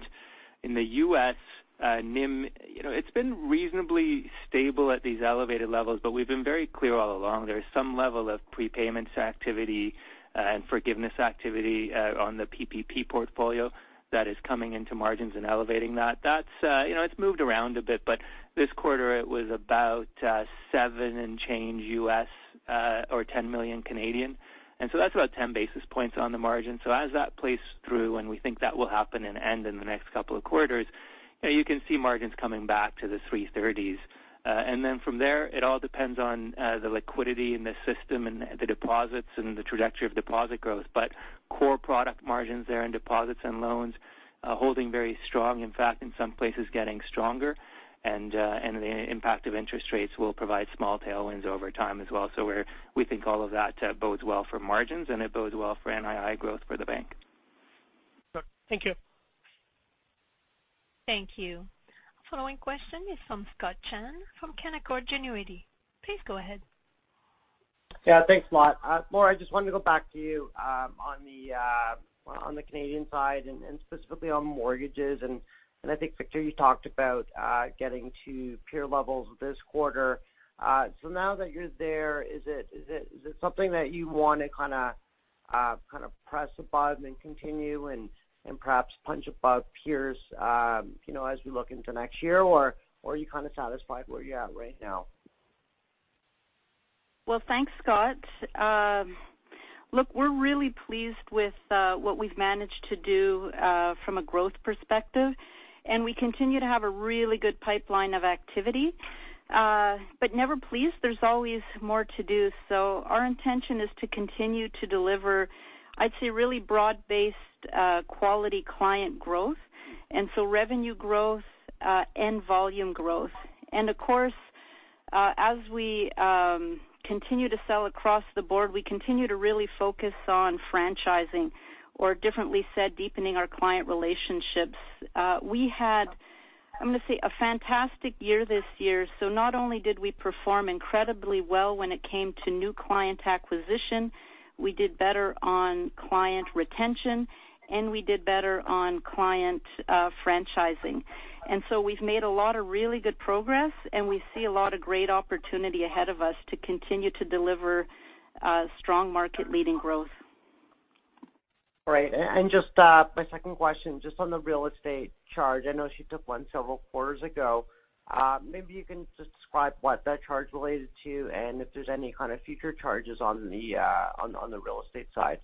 In the U.S., NIM, you know, it's been reasonably stable at these elevated levels, but we've been very clear all along there is some level of prepayments activity and forgiveness activity on the PPP portfolio that is coming into margins and elevating that. That's, you know, it's moved around a bit, but this quarter it was about $7 million or 10 million. That's about 10 basis points on the margin. As that plays through, and we think that will happen and end in the next couple of quarters, you know, you can see margins coming back to the 3.30%s. And then from there, it all depends on the liquidity in the system and the deposits and the trajectory of deposit growth. Core product margins there in deposits and loans are holding very strong, in fact, in some places getting stronger. The impact of interest rates will provide small tailwinds over time as well. We think all of that bodes well for margins, and it bodes well for NII growth for the bank. Sure, thank you. Thank you. Following question is from Scott Chan from Canaccord Genuity. Please go ahead. Yeah, thanks a lot. Laura, I just wanted to go back to you on the Canadian side and specifically on mortgages. I think, Victor, you talked about getting to peer levels this quarter. So now that you're there, is it something that you wanna kinda press a button and continue and perhaps punch above peers, you know, as we look into next year? Or are you kinda satisfied where you're at right now? Well, thanks, Scott. Look, we're really pleased with what we've managed to do from a growth perspective, and we continue to have a really good pipeline of activity. Never pleased, there's always more to do. Our intention is to continue to deliver, I'd say, really broad-based quality client growth, and so revenue growth and volume growth. Of course, as we continue to sell across the board, we continue to really focus on franchising or differently said, deepening our client relationships. We had, I'm gonna say, a fantastic year this year. Not only did we perform incredibly well when it came to new client acquisition, we did better on client retention, and we did better on client franchising. We've made a lot of really good progress, and we see a lot of great opportunity ahead of us to continue to deliver strong market-leading growth. All right. Just my second question, just on the real estate charge. I know you took one several quarters ago. Maybe you can just describe what that charge related to and if there's any kind of future charges on the real estate side.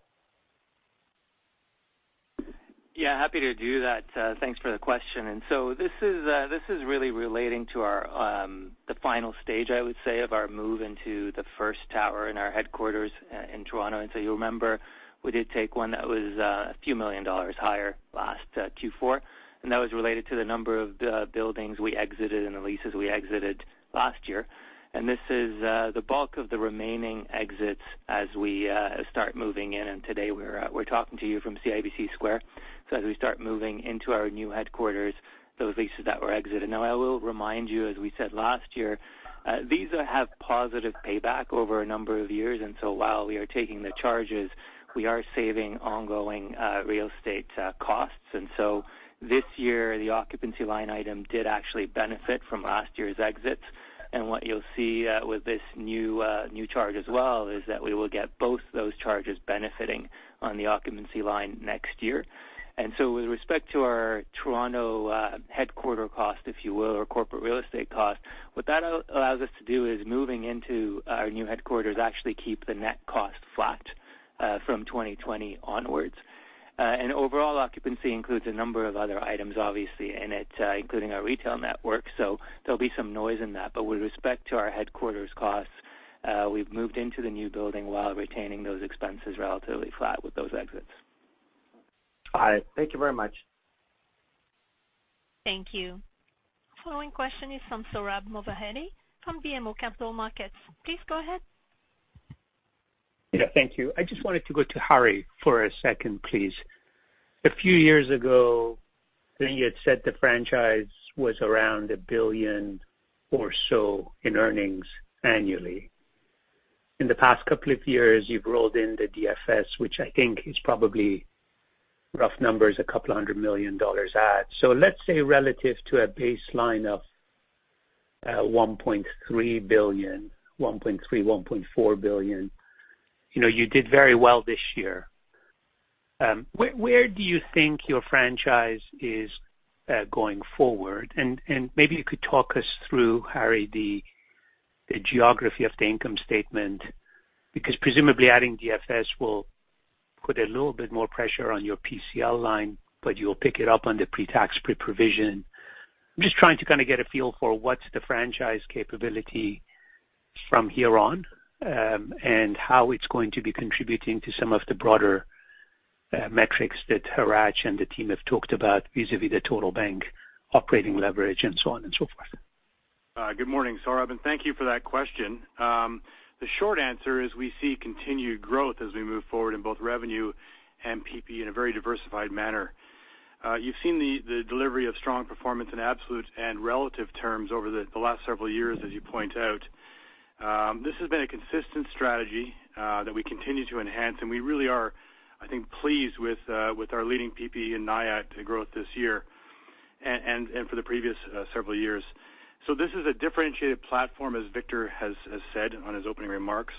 Yeah, happy to do that. Thanks for the question. This is really relating to our the final stage, I would say, of our move into the first tower in our headquarters in Toronto. You'll remember we did take one that was Canadian dollar a few million higher last Q4, and that was related to the number of buildings we exited and the leases we exited last year. This is the bulk of the remaining exits as we start moving in. Today, we're talking to you from CIBC Square. As we start moving into our new headquarters, those leases that were exited, I will remind you, as we said last year, these have positive payback over a number of years. While we are taking the charges, we are saving ongoing real estate costs. What you'll see with this new charge as well is that we will get both those charges benefiting on the occupancy line next year. With respect to our Toronto headquarters cost, if you will, or corporate real estate cost, what that allows us to do is moving into our new headquarters actually keep the net cost flat from 2020 onwards. Overall occupancy includes a number of other items obviously in it, including our retail network. There'll be some noise in that. With respect to our headquarters costs, we've moved into the new building while retaining those expenses relatively flat with those exits. All right. Thank you very much. Thank you. Following question is from Sohrab Movahedi from BMO Capital Markets. Please go ahead. Yeah, thank you. I just wanted to go to Harry for a second, please. A few years ago, I think you had said the franchise was around 1 billion or so in earnings annually. In the past couple of years, you've rolled in the DFS, which I think is probably, rough numbers, 200 million dollars add. Let's say relative to a baseline of 1.3 billion-1.4 billion, you know, you did very well this year. Where do you think your franchise is going forward? Maybe you could talk us through, Harry, the geography of the income statement, because presumably adding DFS will put a little bit more pressure on your PCL line, but you'll pick it up on the pre-tax, pre-provision. I'm just trying to kind of get a feel for what's the franchise capability from here on, and how it's going to be contributing to some of the broader metrics that Hratch and the team have talked about vis-a-vis the total bank operating leverage and so on and so forth. Good morning, Sohrab, and thank you for that question. The short answer is we see continued growth as we move forward in both revenue and PP in a very diversified manner. You've seen the delivery of strong performance in absolute and relative terms over the last several years, as you point out. This has been a consistent strategy that we continue to enhance, and we really are, I think, pleased with our leading PP and NIAT growth this year and for the previous several years. This is a differentiated platform, as Victor Dodig has said on his opening remarks.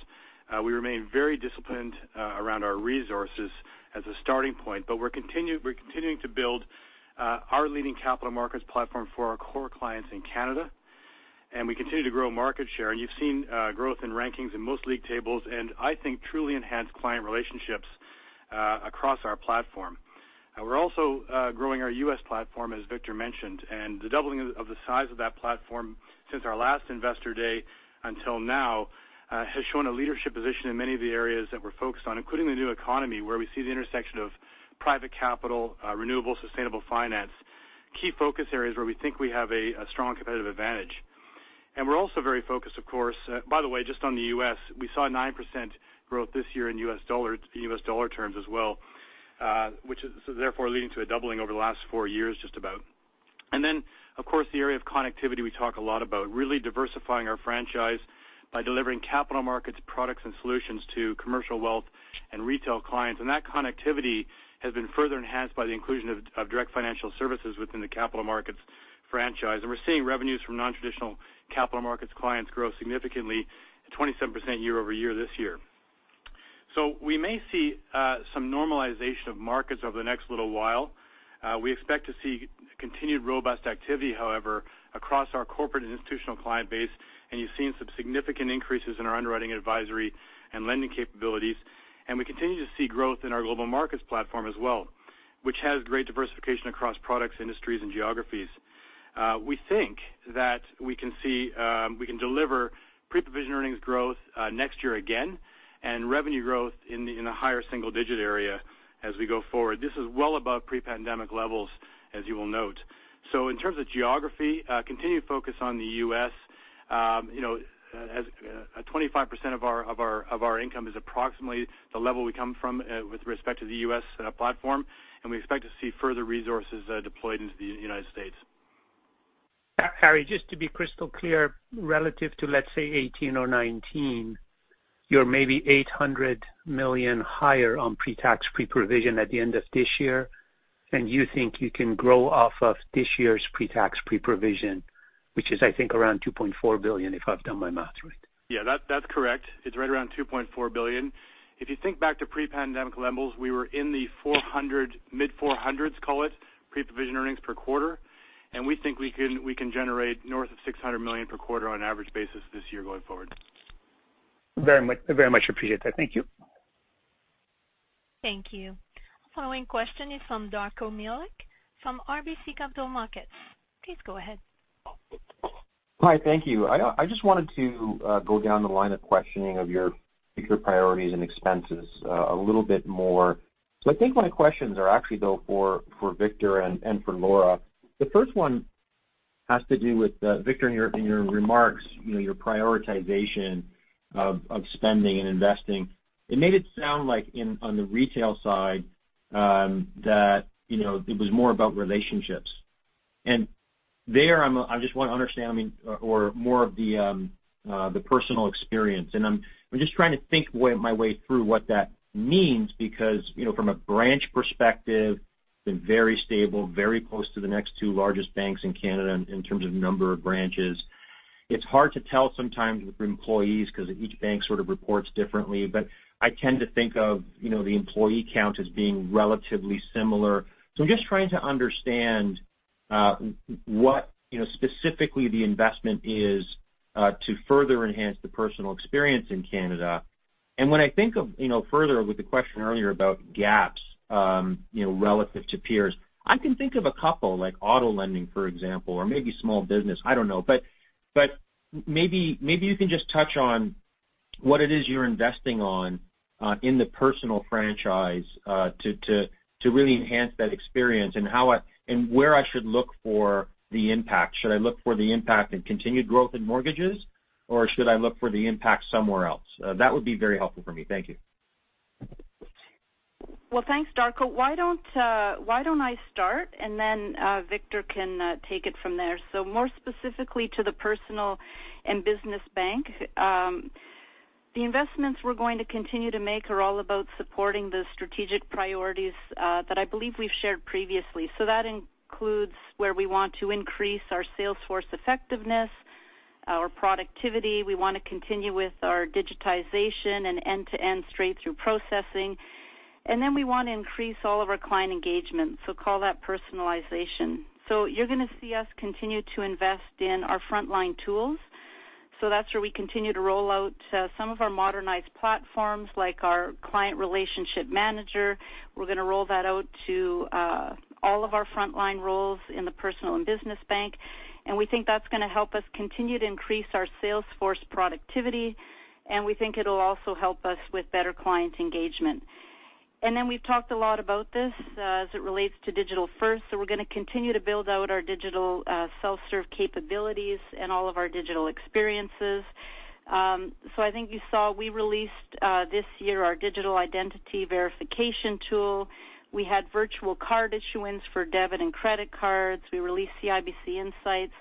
We remain very disciplined around our resources as a starting point, but we're continuing to build our leading capital markets platform for our core clients in Canada, and we continue to grow market share. You've seen growth in rankings in most league tables and I think truly enhanced client relationships across our platform. We're also growing our U.S. platform, as Victor mentioned, and the doubling of the size of that platform since our last Investor Day until now has shown a leadership position in many of the areas that we're focused on, including the new economy, where we see the intersection of private capital, renewable, sustainable finance, key focus areas where we think we have a strong competitive advantage. We're also very focused, of course. By the way, just on the U.S., we saw 9% growth this year in U.S. dollar, in U.S. dollar terms as well, which is therefore leading to a doubling over the last four years, just about. Then, of course, the area of connectivity we talk a lot about, really diversifying our franchise by delivering capital markets products and solutions to commercial wealth and retail clients. That connectivity has been further enhanced by the inclusion of Direct Financial Services within the capital markets franchise. We're seeing revenues from non-traditional capital markets clients grow significantly 27% year-over-year this year. We may see some normalization of markets over the next little while. We expect to see continued robust activity, however, across our corporate and institutional client base, and you've seen some significant increases in our underwriting advisory and lending capabilities. We continue to see growth in our global markets platform as well, which has great diversification across products, industries, and geographies. We can deliver pre-provision earnings growth next year again and revenue growth in the higher single digit area as we go forward. This is well above pre-pandemic levels, as you will note. In terms of geography, continued focus on the U.S., you know, as 25% of our income is approximately the level we come from with respect to the U.S. platform, and we expect to see further resources deployed into the United States. Harry, just to be crystal clear, relative to, let's say, 2018 or 2019, you're maybe 800 million higher on pre-tax, pre-provision at the end of this year, and you think you can grow off of this year's pre-tax, pre-provision, which is I think around 2.4 billion, if I've done my math right. Yeah, that's correct. It's right around 2.4 billion. If you think back to pre-pandemic levels, we were in the 400 million, mid-CAD 400s million, call it, pre-provision earnings per quarter, and we think we can generate north of 600 million per quarter on average basis this year going forward. Very much appreciate that. Thank you. Thank you. Following question is from Darko Mihelic from RBC Capital Markets. Please go ahead. Hi. Thank you. I just wanted to go down the line of questioning of your priorities and expenses a little bit more. I think my questions are actually though for Victor and for Laura. The first one has to do with Victor, in your remarks, you know, your prioritization of spending and investing. It made it sound like on the retail side that you know it was more about relationships. And there I'm just want to understand, I mean, or more of the personal experience. And I'm just trying to think my way through what that means because you know from a branch perspective it's been very stable, very close to the next two largest banks in Canada in terms of number of branches. It's hard to tell sometimes with employees because each bank sort of reports differently. I tend to think of, you know, the employee count as being relatively similar. I'm just trying to understand, what, you know, specifically the investment is, to further enhance the personal experience in Canada. When I think of, you know, further with the question earlier about gaps, you know, relative to peers, I can think of a couple like auto lending, for example, or maybe small business. I don't know. Maybe you can just touch on what it is you're investing on, in the personal franchise, to really enhance that experience and where I should look for the impact. Should I look for the impact in continued growth in mortgages, or should I look for the impact somewhere else? That would be very helpful for me. Thank you. Well, thanks, Darko. Why don't I start, and then Victor can take it from there. More specifically to the personal and business bank, the investments we're going to continue to make are all about supporting the strategic priorities that I believe we've shared previously. That includes where we want to increase our sales force effectiveness, our productivity. We wanna continue with our digitization and end-to-end straight-through processing. Then we want to increase all of our client engagement, so call that personalization. You're gonna see us continue to invest in our frontline tools. That's where we continue to roll out some of our modernized platforms, like our client relationship manager. We're gonna roll that out to all of our frontline roles in the Personal and Business Banking, and we think that's gonna help us continue to increase our sales force productivity, and we think it'll also help us with better client engagement. We've talked a lot about this as it relates to digital first. We're gonna continue to build out our digital self-serve capabilities and all of our digital experiences. I think you saw we released this year our digital identity verification tool. We had virtual card issuance for debit and credit cards. We released CIBC Insights,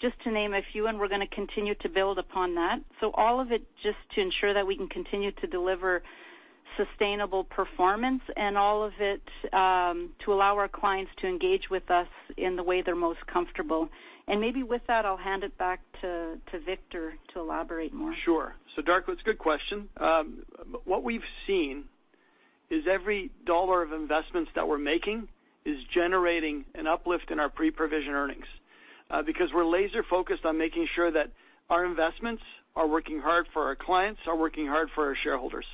just to name a few, and we're gonna continue to build upon that. All of it just to ensure that we can continue to deliver sustainable performance and all of it to allow our clients to engage with us in the way they're most comfortable. Maybe with that, I'll hand it back to Victor to elaborate more. Sure. Darko, it's a good question. What we've seen is every dollar of investments that we're making is generating an uplift in our pre-provision earnings, because we're laser-focused on making sure that our investments are working hard for our clients, are working hard for our shareholders.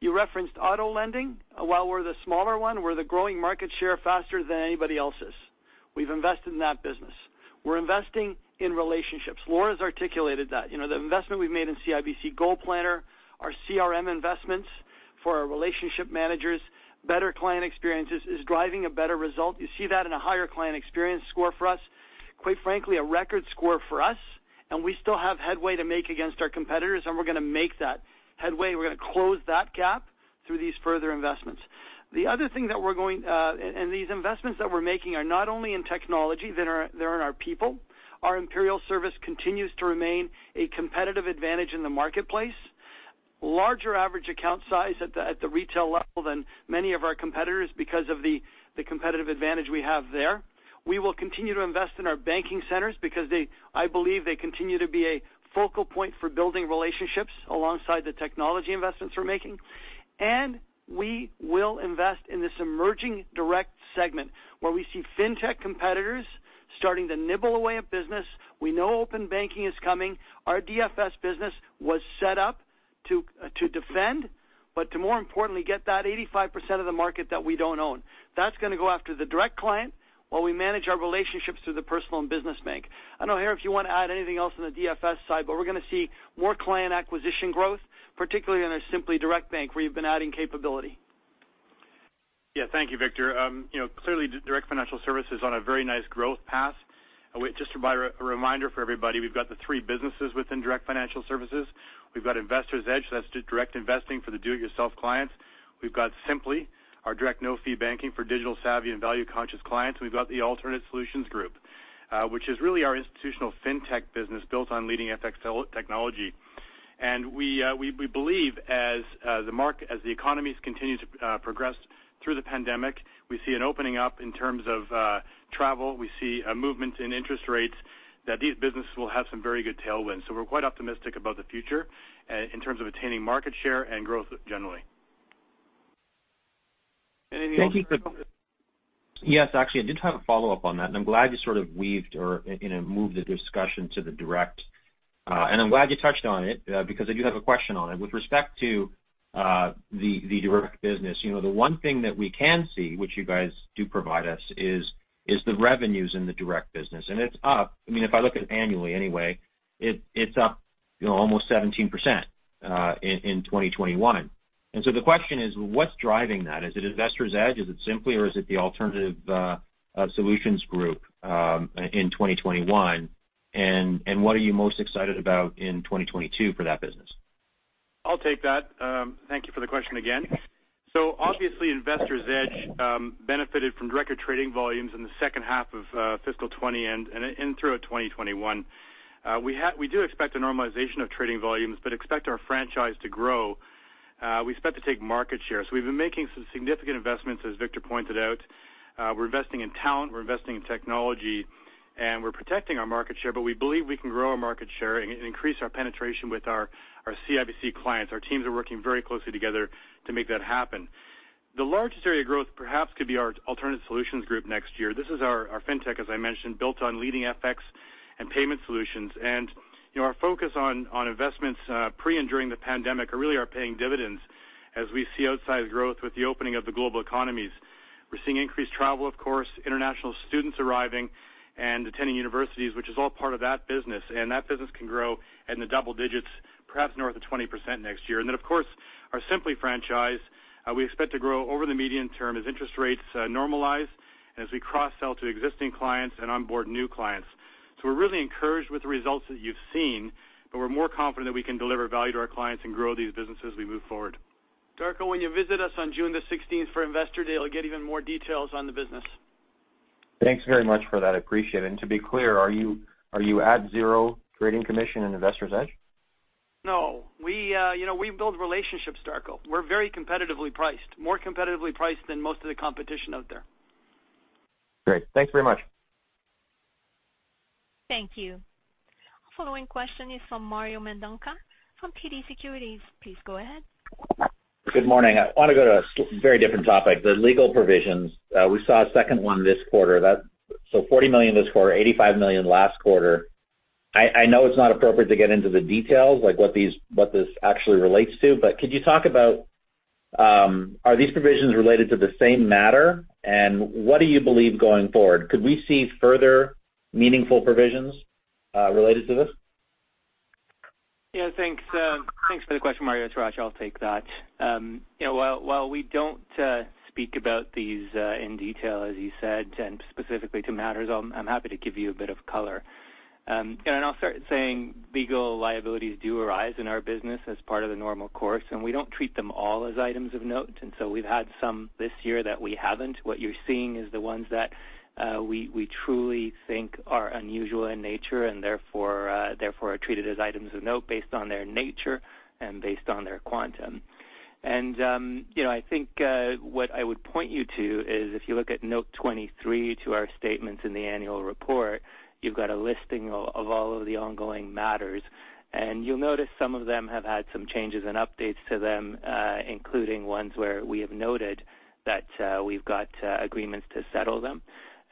You referenced auto lending. While we're the smaller one, we're growing market share faster than anybody else. We've invested in that business. We're investing in relationships. Laura's articulated that. You know, the investment we've made in CIBC GoalPlanner, our CRM investments for our relationship managers, better client experiences is driving a better result. You see that in a higher client experience score for us, quite frankly, a record score for us, and we still have headway to make against our competitors, and we're gonna make that headway. We're gonna close that gap through these further investments. The other thing, these investments that we're making are not only in technology. They're in our people. Our Imperial Service continues to remain a competitive advantage in the marketplace. Larger average account size at the retail level than many of our competitors because of the competitive advantage we have there. We will continue to invest in our banking centers because I believe they continue to be a focal point for building relationships alongside the technology investments we're making. We will invest in this emerging direct segment where we see fintech competitors starting to nibble away at business. We know open banking is coming. Our DFS business was set up to defend, but to more importantly get that 85% of the market that we don't own. That's gonna go after the direct client while we manage our relationships through the Personal and Business Banking. I don't know, Harry, if you wanna add anything else on the DFS side, but we're gonna see more client acquisition growth, particularly in our Simplii Financial, where you've been adding capability. Yeah. Thank you, Victor. You know, clearly Direct Financial Services is on a very nice growth path. Just a reminder for everybody, we've got the three businesses within Direct Financial Services. We've got Investor's Edge, that's direct investing for the do-it-yourself clients. We've got Simplii Financial, our direct no-fee banking for digital-savvy and value-conscious clients. We've got the Alternate Solutions Group, which is really our institutional fintech business built on leading FX technology. We believe as the economies continue to progress through the pandemic, we see an opening up in terms of travel. We see a movement in interest rates that these businesses will have some very good tailwinds. We're quite optimistic about the future in terms of attaining market share and growth generally. Any follow-up? Yes, actually, I did have a follow-up on that, and I'm glad you sort of weaved or, you know, moved the discussion to the direct. And I'm glad you touched on it, because I do have a question on it. With respect to the direct business, you know, the one thing that we can see, which you guys do provide us, is the revenues in the direct business, and it's up. I mean, if I look at it annually anyway, it's up, you know, almost 17% in 2021. So the question is, what's driving that? Is it Investor's Edge? Is it Simplii? Or is it the Alternate Solutions Group in 2021? And what are you most excited about in 2022 for that business? I'll take that. Thank you for the question again. Obviously, Investor's Edge benefited from record trading volumes in the second half of fiscal 2020 and throughout 2021. We do expect a normalization of trading volumes but expect our franchise to grow. We expect to take market share. We've been making some significant investments, as Victor pointed out. We're investing in talent, we're investing in technology, and we're protecting our market share, but we believe we can grow our market share and increase our penetration with our CIBC clients. Our teams are working very closely together to make that happen. The largest area of growth perhaps could be our Alternate Solutions Group next year. This is our fintech, as I mentioned, built on leading FX and payment solutions. You know, our focus on investments pre and during the pandemic really are paying dividends as we see outsized growth with the opening of the global economies. We're seeing increased travel, of course, international students arriving and attending universities, which is all part of that business, and that business can grow in the double digits, perhaps north of 20% next year. Then, of course, our Simplii franchise, we expect to grow over the medium term as interest rates normalize. As we cross-sell to existing clients and onboard new clients, we're really encouraged with the results that you've seen, but we're more confident that we can deliver value to our clients and grow these businesses as we move forward. Darko, when you visit us on June the 16th for Investor Day, you'll get even more details on the business. Thanks very much for that. I appreciate it. To be clear, are you at zero trading commission in Investor's Edge? No. We, you know, build relationships, Darko. We're very competitively priced, more competitively priced than most of the competition out there. Great. Thanks very much. Thank you. Following question is from Mario Mendonca from TD Cowen. Please go ahead. Good morning. I want to go to a very different topic, the legal provisions. We saw a second one this quarter. 40 million this quarter, 85 million last quarter. I know it's not appropriate to get into the details like what this actually relates to. Could you talk about, are these provisions related to the same matter? What do you believe going forward? Could we see further meaningful provisions related to this? Yeah, thanks. Thanks for the question, Mario. It's Hratch. I'll take that. You know, while we don't speak about these in detail, as you said, and specifically to matters, I'm happy to give you a bit of color. I'll start saying legal liabilities do arise in our business as part of the normal course, and we don't treat them all as items of note. We've had some this year that we haven't. What you're seeing is the ones that we truly think are unusual in nature and therefore are treated as items of note based on their nature and based on their quantum. I think what I would point you to is if you look at note 23 to our statements in the annual report, you've got a listing of all of the ongoing matters. You'll notice some of them have had some changes and updates to them, including ones where we have noted that we've got agreements to settle them.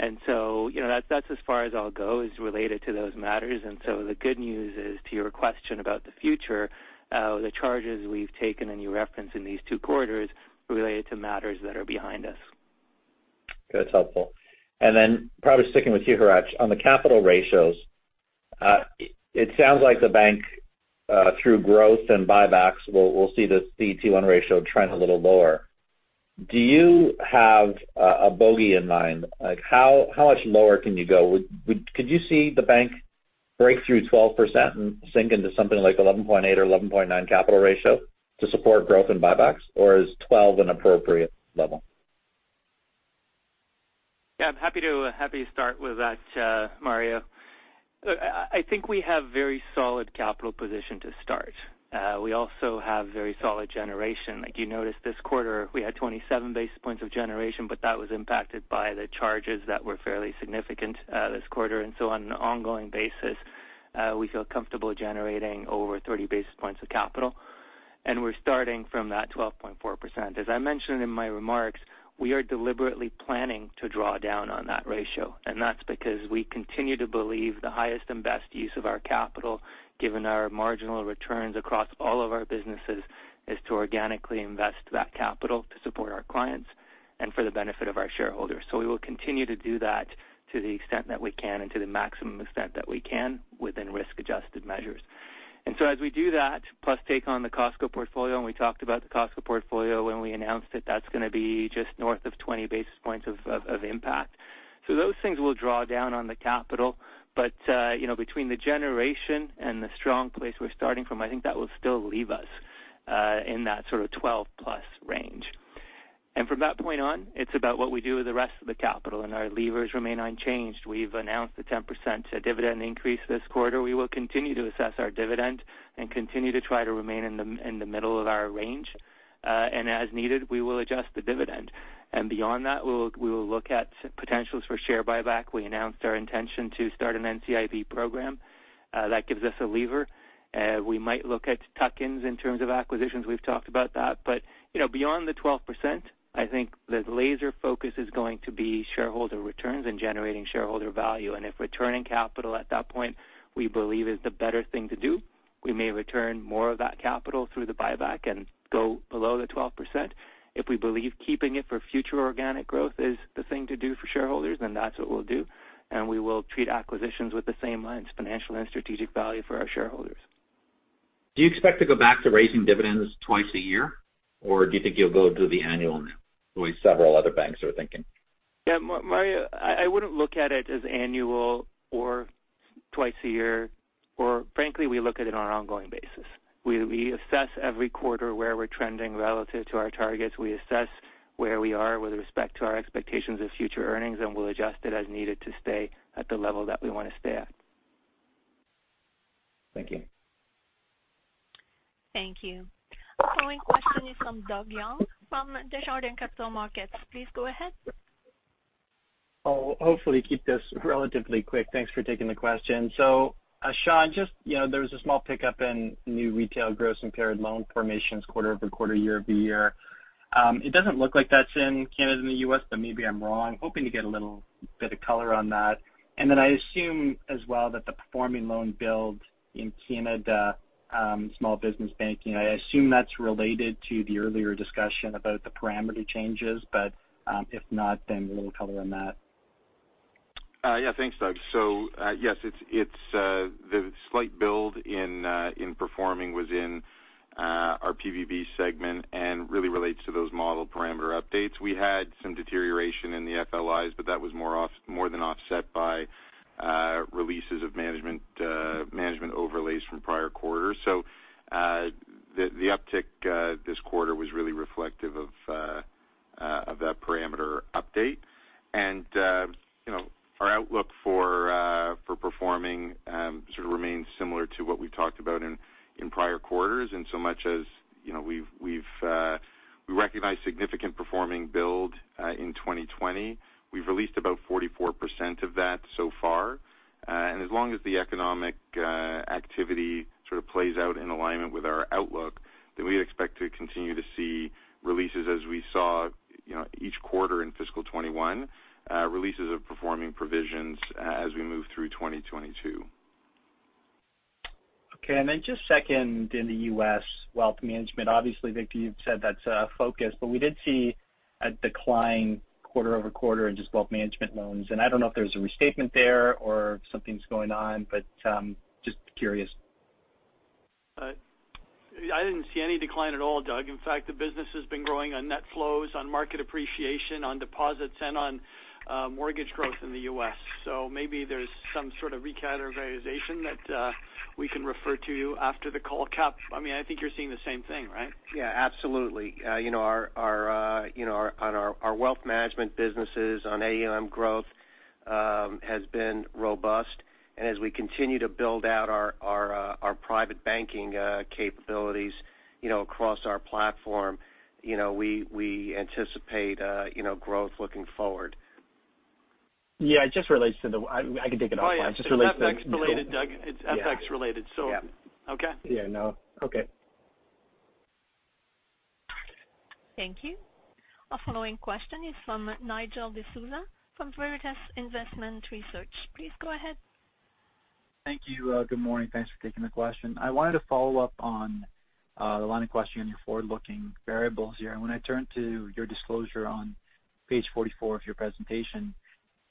You know, that's as far as I'll go related to those matters. The good news is, to your question about the future, the charges we've taken and you reference in these two quarters related to matters that are behind us. That's helpful. Probably sticking with you, Hratch Panossian, on the capital ratios, it sounds like the bank through growth and buybacks will see the CET1 ratio trend a little lower. Do you have a bogey in mind? Like how much lower can you go? Could you see the bank break through 12% and sink into something like 11.8% or 11.9% capital ratio to support growth and buybacks, or is 12% an appropriate level? Yeah, I'm happy to start with that, Mario. Look, I think we have very solid capital position to start. We also have very solid generation. Like, you noticed this quarter, we had 27 basis points of generation, but that was impacted by the charges that were fairly significant this quarter. On an ongoing basis, we feel comfortable generating over 30 basis points of capital, and we're starting from that 12.4%. As I mentioned in my remarks, we are deliberately planning to draw down on that ratio, and that's because we continue to believe the highest and best use of our capital, given our marginal returns across all of our businesses, is to organically invest that capital to support our clients and for the benefit of our shareholders. We will continue to do that to the extent that we can and to the maximum extent that we can within risk-adjusted measures. As we do that, plus take on the Costco portfolio, and we talked about the Costco portfolio when we announced it, that's going to be just north of 20 basis points of impact. Those things will draw down on the capital. You know, between the generation and the strong place we're starting from, I think that will still leave us in that sort of 12%+ range. From that point on, it's about what we do with the rest of the capital, and our levers remain unchanged. We've announced the 10% dividend increase this quarter. We will continue to assess our dividend and continue to try to remain in the middle of our range. as needed, we will adjust the dividend. Beyond that, we will look at potentials for share buyback. We announced our intention to start an NCIB program, that gives us a lever. We might look at tuck-ins in terms of acquisitions. We've talked about that. You know, beyond the 12%, I think the laser focus is going to be shareholder returns and generating shareholder value. If returning capital at that point we believe is the better thing to do, we may return more of that capital through the buyback and go below the 12%. If we believe keeping it for future organic growth is the thing to do for shareholders, then that's what we'll do, and we will treat acquisitions with the same lens, financial and strategic value for our shareholders. Do you expect to go back to raising dividends twice a year, or do you think you'll go do the annual now, the way several other banks are thinking? Yeah, Mario, I wouldn't look at it as annual or twice a year, or frankly, we look at it on an ongoing basis. We assess every quarter where we're trending relative to our targets. We assess where we are with respect to our expectations of future earnings, and we'll adjust it as needed to stay at the level that we want to stay at. Thank you. Thank you. Following question is from Doug Young from Desjardins Capital Markets. Please go ahead. I'll hopefully keep this relatively quick. Thanks for taking the question. Shawn, just, you know, there was a small pickup in new retail gross impaired loan formations quarter-over-quarter, year-over-year. It doesn't look like that's in Canada and the U.S., but maybe I'm wrong. Hoping to get a little bit of color on that. Then I assume as well that the performing loan build in Canada, small business banking, I assume that's related to the earlier discussion about the parameter changes. If not, then a little color on that. Yeah. Thanks, Doug. Yes, it's the slight build in provisioning was in our P&BB segment and really relates to those model parameter updates. We had some deterioration in the FLIs, but that was more than offset by releases of management overlays from prior quarters. The uptick this quarter was really reflective of that parameter update. You know, our outlook for provisioning sort of remains similar to what we talked about in prior quarters, in so much as you know, we recognize significant provisioning build in 2020. We've released about 44% of that so far. As long as the economic activity sort of plays out in alignment with our outlook, then we expect to continue to see releases as we saw, you know, each quarter in fiscal 2021, releases of performing provisions as we move through 2022. Okay. Just second in the U.S. wealth management, obviously, Victor, you've said that's a focus, but we did see a decline quarter-over-quarter in just wealth management loans. I don't know if there's a restatement there or something's going on, but just curious. I didn't see any decline at all, Doug. In fact, the business has been growing on net flows, on market appreciation, on deposits, and on mortgage growth in the U.S. Maybe there's some sort of recategorization that we can refer to you after the call. I mean, I think you're seeing the same thing, right? Yeah, absolutely. You know, our wealth management businesses on AUM growth has been robust. As we continue to build out our private banking capabilities, you know, across our platform, you know, we anticipate growth looking forward. It just relates to. I can take it offline. Oh, yeah. It's FX related, Doug. Yeah. Okay. Yeah, no. Okay. Thank you. Our following question is from Nigel D'Souza from Veritas Investment Research. Please go ahead. Thank you. Good morning. Thanks for taking the question. I wanted to follow up on the line of questioning on your forward-looking variables here. When I turn to your disclosure on page 44 of your presentation,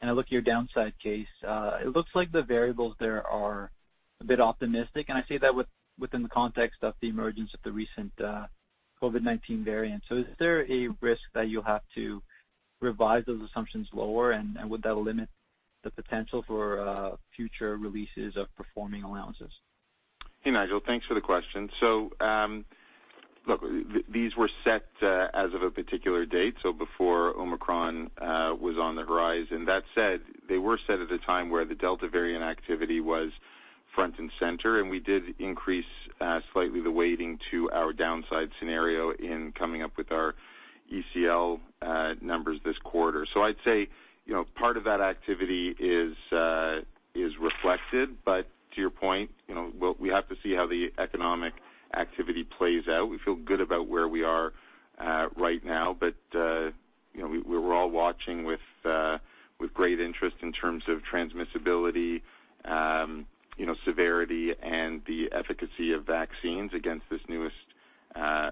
and I look at your downside case, it looks like the variables there are a bit optimistic, and I say that within the context of the emergence of the recent COVID-19 variant. Is there a risk that you'll have to revise those assumptions lower, and would that limit the potential for future releases of performing allowances? Hey, Nigel. Thanks for the question. Look, these were set as of a particular date, so before Omicron was on the horizon. That said, they were set at a time where the Delta variant activity was front and center, and we did increase slightly the weighting to our downside scenario in coming up with our ECL numbers this quarter. I'd say, you know, part of that activity is reflected, but to your point, you know, we have to see how the economic activity plays out. We feel good about where we are right now, but, you know, we're all watching with great interest in terms of transmissibility, you know, severity and the efficacy of vaccines against this newest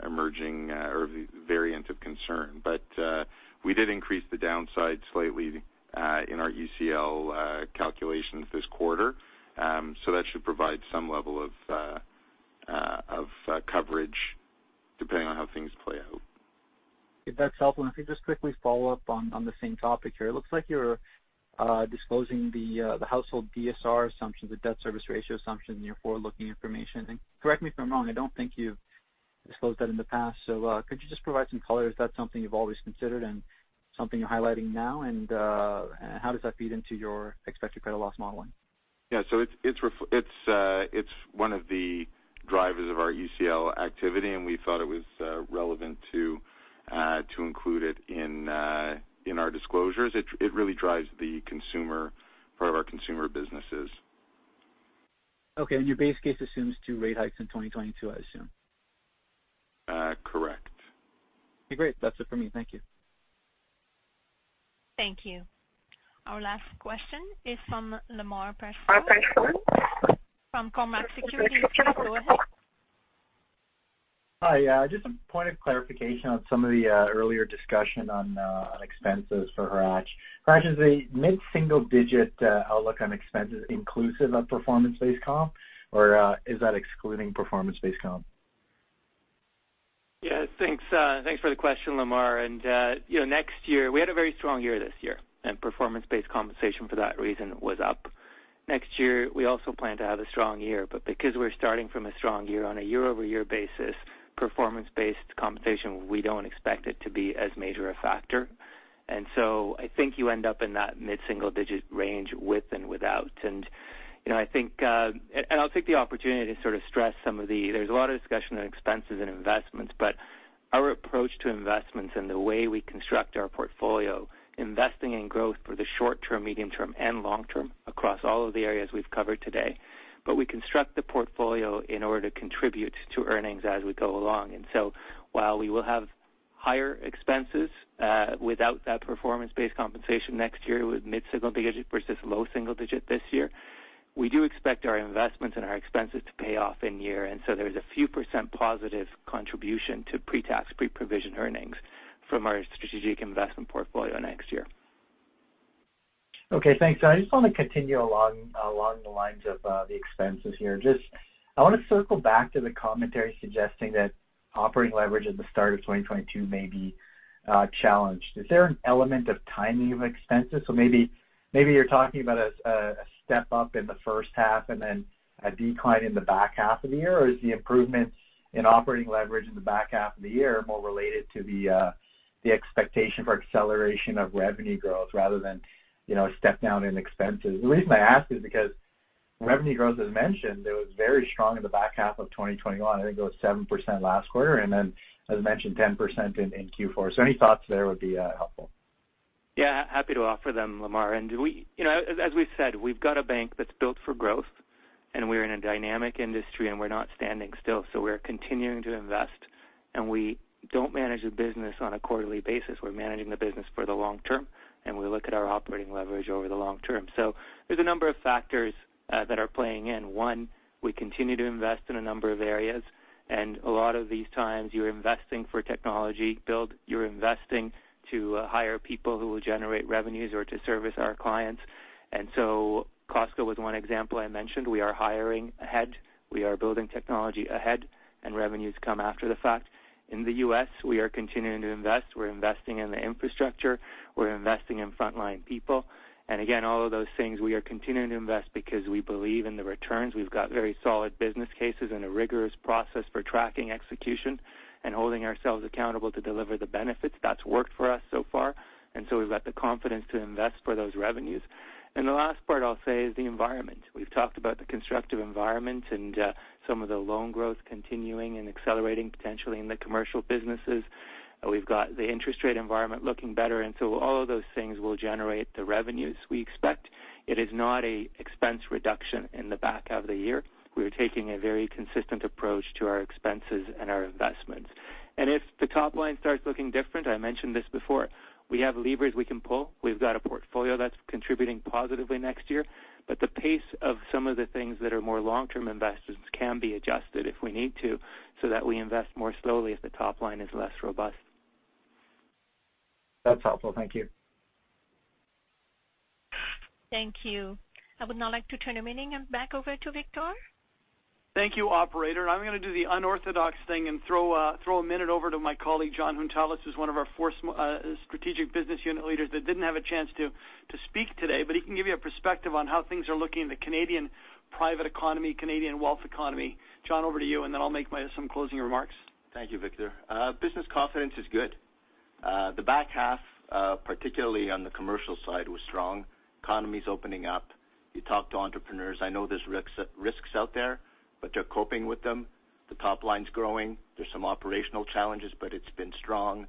emerging or variant of concern. We did increase the downside slightly in our ECL calculations this quarter, so that should provide some level of coverage depending on how things play out. If that's helpful, and if we just quickly follow up on the same topic here. It looks like you're disclosing the household DSR assumption, the debt service ratio assumption in your forward-looking information. Correct me if I'm wrong, I don't think you've disclosed that in the past. Could you just provide some color? Is that something you've always considered and something you're highlighting now, and how does that feed into your expected credit loss modeling? Yeah. It's one of the drivers of our ECL activity, and we thought it was relevant to include it in our disclosures. It really drives the consumer part of our consumer businesses. Okay. Your base case assumes two rate hikes in 2022, I assume. Correct. Okay, great. That's it for me. Thank you. Thank you. Our last question is from Lemar Persaud from Cormark Securities. Go ahead. Hi. Yeah, just a point of clarification on some of the earlier discussion on expenses for Hratch. Hratch is a mid-single digit outlook on expenses inclusive of performance-based comp, or is that excluding performance-based comp? Yeah. Thanks for the question, Lemar. You know, next year we had a very strong year this year, and performance-based compensation for that reason was up. Next year, we also plan to have a strong year, but because we're starting from a strong year on a year-over-year basis, performance-based compensation, we don't expect it to be as major a factor. I think you end up in that mid-single digit range with and without. You know, I think, and I'll take the opportunity to sort of stress some of the. There's a lot of discussion on expenses and investments, but our approach to investments and the way we construct our portfolio, investing in growth for the short term, medium term, and long term across all of the areas we've covered today. We construct the portfolio in order to contribute to earnings as we go along. While we will have higher expenses, without that performance-based compensation next year with mid-single digit versus low single digit this year, we do expect our investments and our expenses to pay off in year. There's a few percent positive contribution to pre-tax, pre-provision earnings from our strategic investment portfolio next year. Okay, thanks. I just wanna continue along the lines of the expenses here. Just, I wanna circle back to the commentary suggesting that operating leverage at the start of 2022 may be challenged. Is there an element of timing of expenses? So maybe you're talking about a step-up in the first half and then a decline in the back half of the year. Or is the improvements in operating leverage in the back half of the year more related to the expectation for acceleration of revenue growth rather than, you know, a step-down in expenses? The reason I ask is because revenue growth as mentioned, it was very strong in the back half of 2021. I think it was 7% last quarter, and then as mentioned, 10% in Q4. So any thoughts there would be helpful. Yeah, happy to offer them, Lemar. You know, as we've said, we've got a bank that's built for growth, and we're in a dynamic industry, and we're not standing still. We're continuing to invest, and we don't manage the business on a quarterly basis. We're managing the business for the long term, and we look at our operating leverage over the long term. There's a number of factors that are playing in. One, we continue to invest in a number of areas, and a lot of these times, you're investing for technology build, you're investing to hire people who will generate revenues or to service our clients. Costco was one example I mentioned. We are hiring ahead. We are building technology ahead, and revenues come after the fact. In the U.S., we are continuing to invest. We're investing in the infrastructure. We're investing in frontline people. All of those things we are continuing to invest because we believe in the returns. We've got very solid business cases and a rigorous process for tracking execution and holding ourselves accountable to deliver the benefits. That's worked for us so far. We've got the confidence to invest for those revenues. The last part I'll say is the environment. We've talked about the constructive environment and some of the loan growth continuing and accelerating potentially in the commercial businesses. We've got the interest rate environment looking better, and so all of those things will generate the revenues we expect. It is not an expense reduction in the back half of the year. We are taking a very consistent approach to our expenses and our investments. If the top line starts looking different, I mentioned this before, we have levers we can pull. We've got a portfolio that's contributing positively next year, but the pace of some of the things that are more long-term investments can be adjusted if we need to, so that we invest more slowly if the top line is less robust. That's helpful. Thank you. Thank you. I would now like to turn the meeting back over to Victor. Thank you, operator. I'm gonna do the unorthodox thing and throw a minute over to my colleague, Jon Hountalas, who's one of our four strategic business unit leaders that didn't have a chance to speak today, but he can give you a perspective on how things are looking in the Canadian private economy, Canadian wealth economy. Jon, over to you, and then I'll make some closing remarks. Thank you, Victor. Business confidence is good. The back half, particularly on the commercial side, was strong. Economy's opening up. You talk to entrepreneurs, I know there's risks out there, but they're coping with them. The top line's growing. There's some operational challenges, but it's been strong.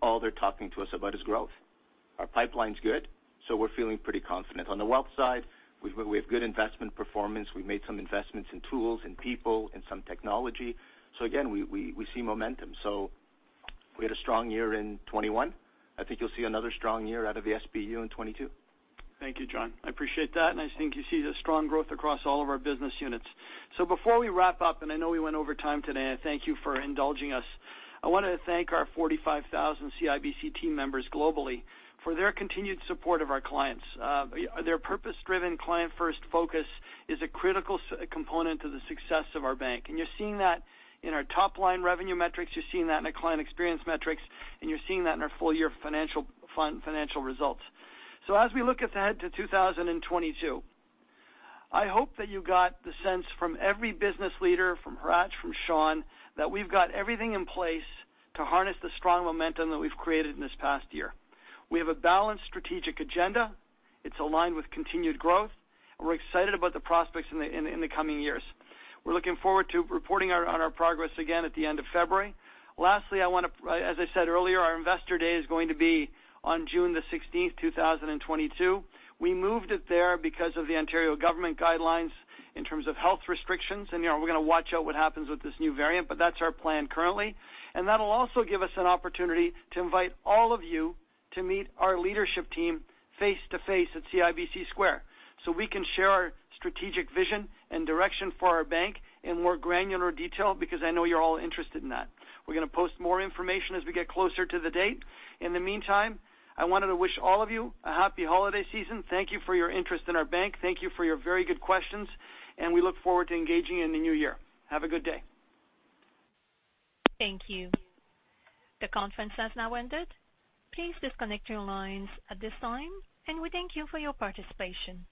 All they're talking to us about is growth. Our pipeline's good, so we're feeling pretty confident. On the wealth side, we have good investment performance. We made some investments in tools and people and some technology. Again, we see momentum. We had a strong year in 2021. I think you'll see another strong year out of the SBU in 2022. Thank you, Jon. I appreciate that, and I think you see the strong growth across all of our business units. Before we wrap up, and I know we went over time today, and thank you for indulging us. I wanna thank our 45,000 CIBC team members globally for their continued support of our clients. Their purpose-driven, client-first focus is a critical component to the success of our bank. You're seeing that in our top-line revenue metrics, you're seeing that in the client experience metrics, and you're seeing that in our full year financial results. As we look ahead to 2022, I hope that you got the sense from every business leader, from Hratch, from Shawn, that we've got everything in place to harness the strong momentum that we've created in this past year. We have a balanced strategic agenda. It's aligned with continued growth, and we're excited about the prospects in the coming years. We're looking forward to reporting on our progress again at the end of February. As I said earlier, our Investor Day is going to be on June 16, 2022. We moved it there because of the Ontario government guidelines in terms of health restrictions, and you know, we're gonna watch out what happens with this new variant, but that's our plan currently. That'll also give us an opportunity to invite all of you to meet our leadership team face-to-face at CIBC Square so we can share our strategic vision and direction for our bank in more granular detail because I know you're all interested in that. We're gonna post more information as we get closer to the date. In the meantime, I wanted to wish all of you a happy holiday season. Thank you for your interest in our bank. Thank you for your very good questions, and we look forward to engaging in the new year. Have a good day. Thank you. The conference has now ended. Please disconnect your lines at this time, and we thank you for your participation.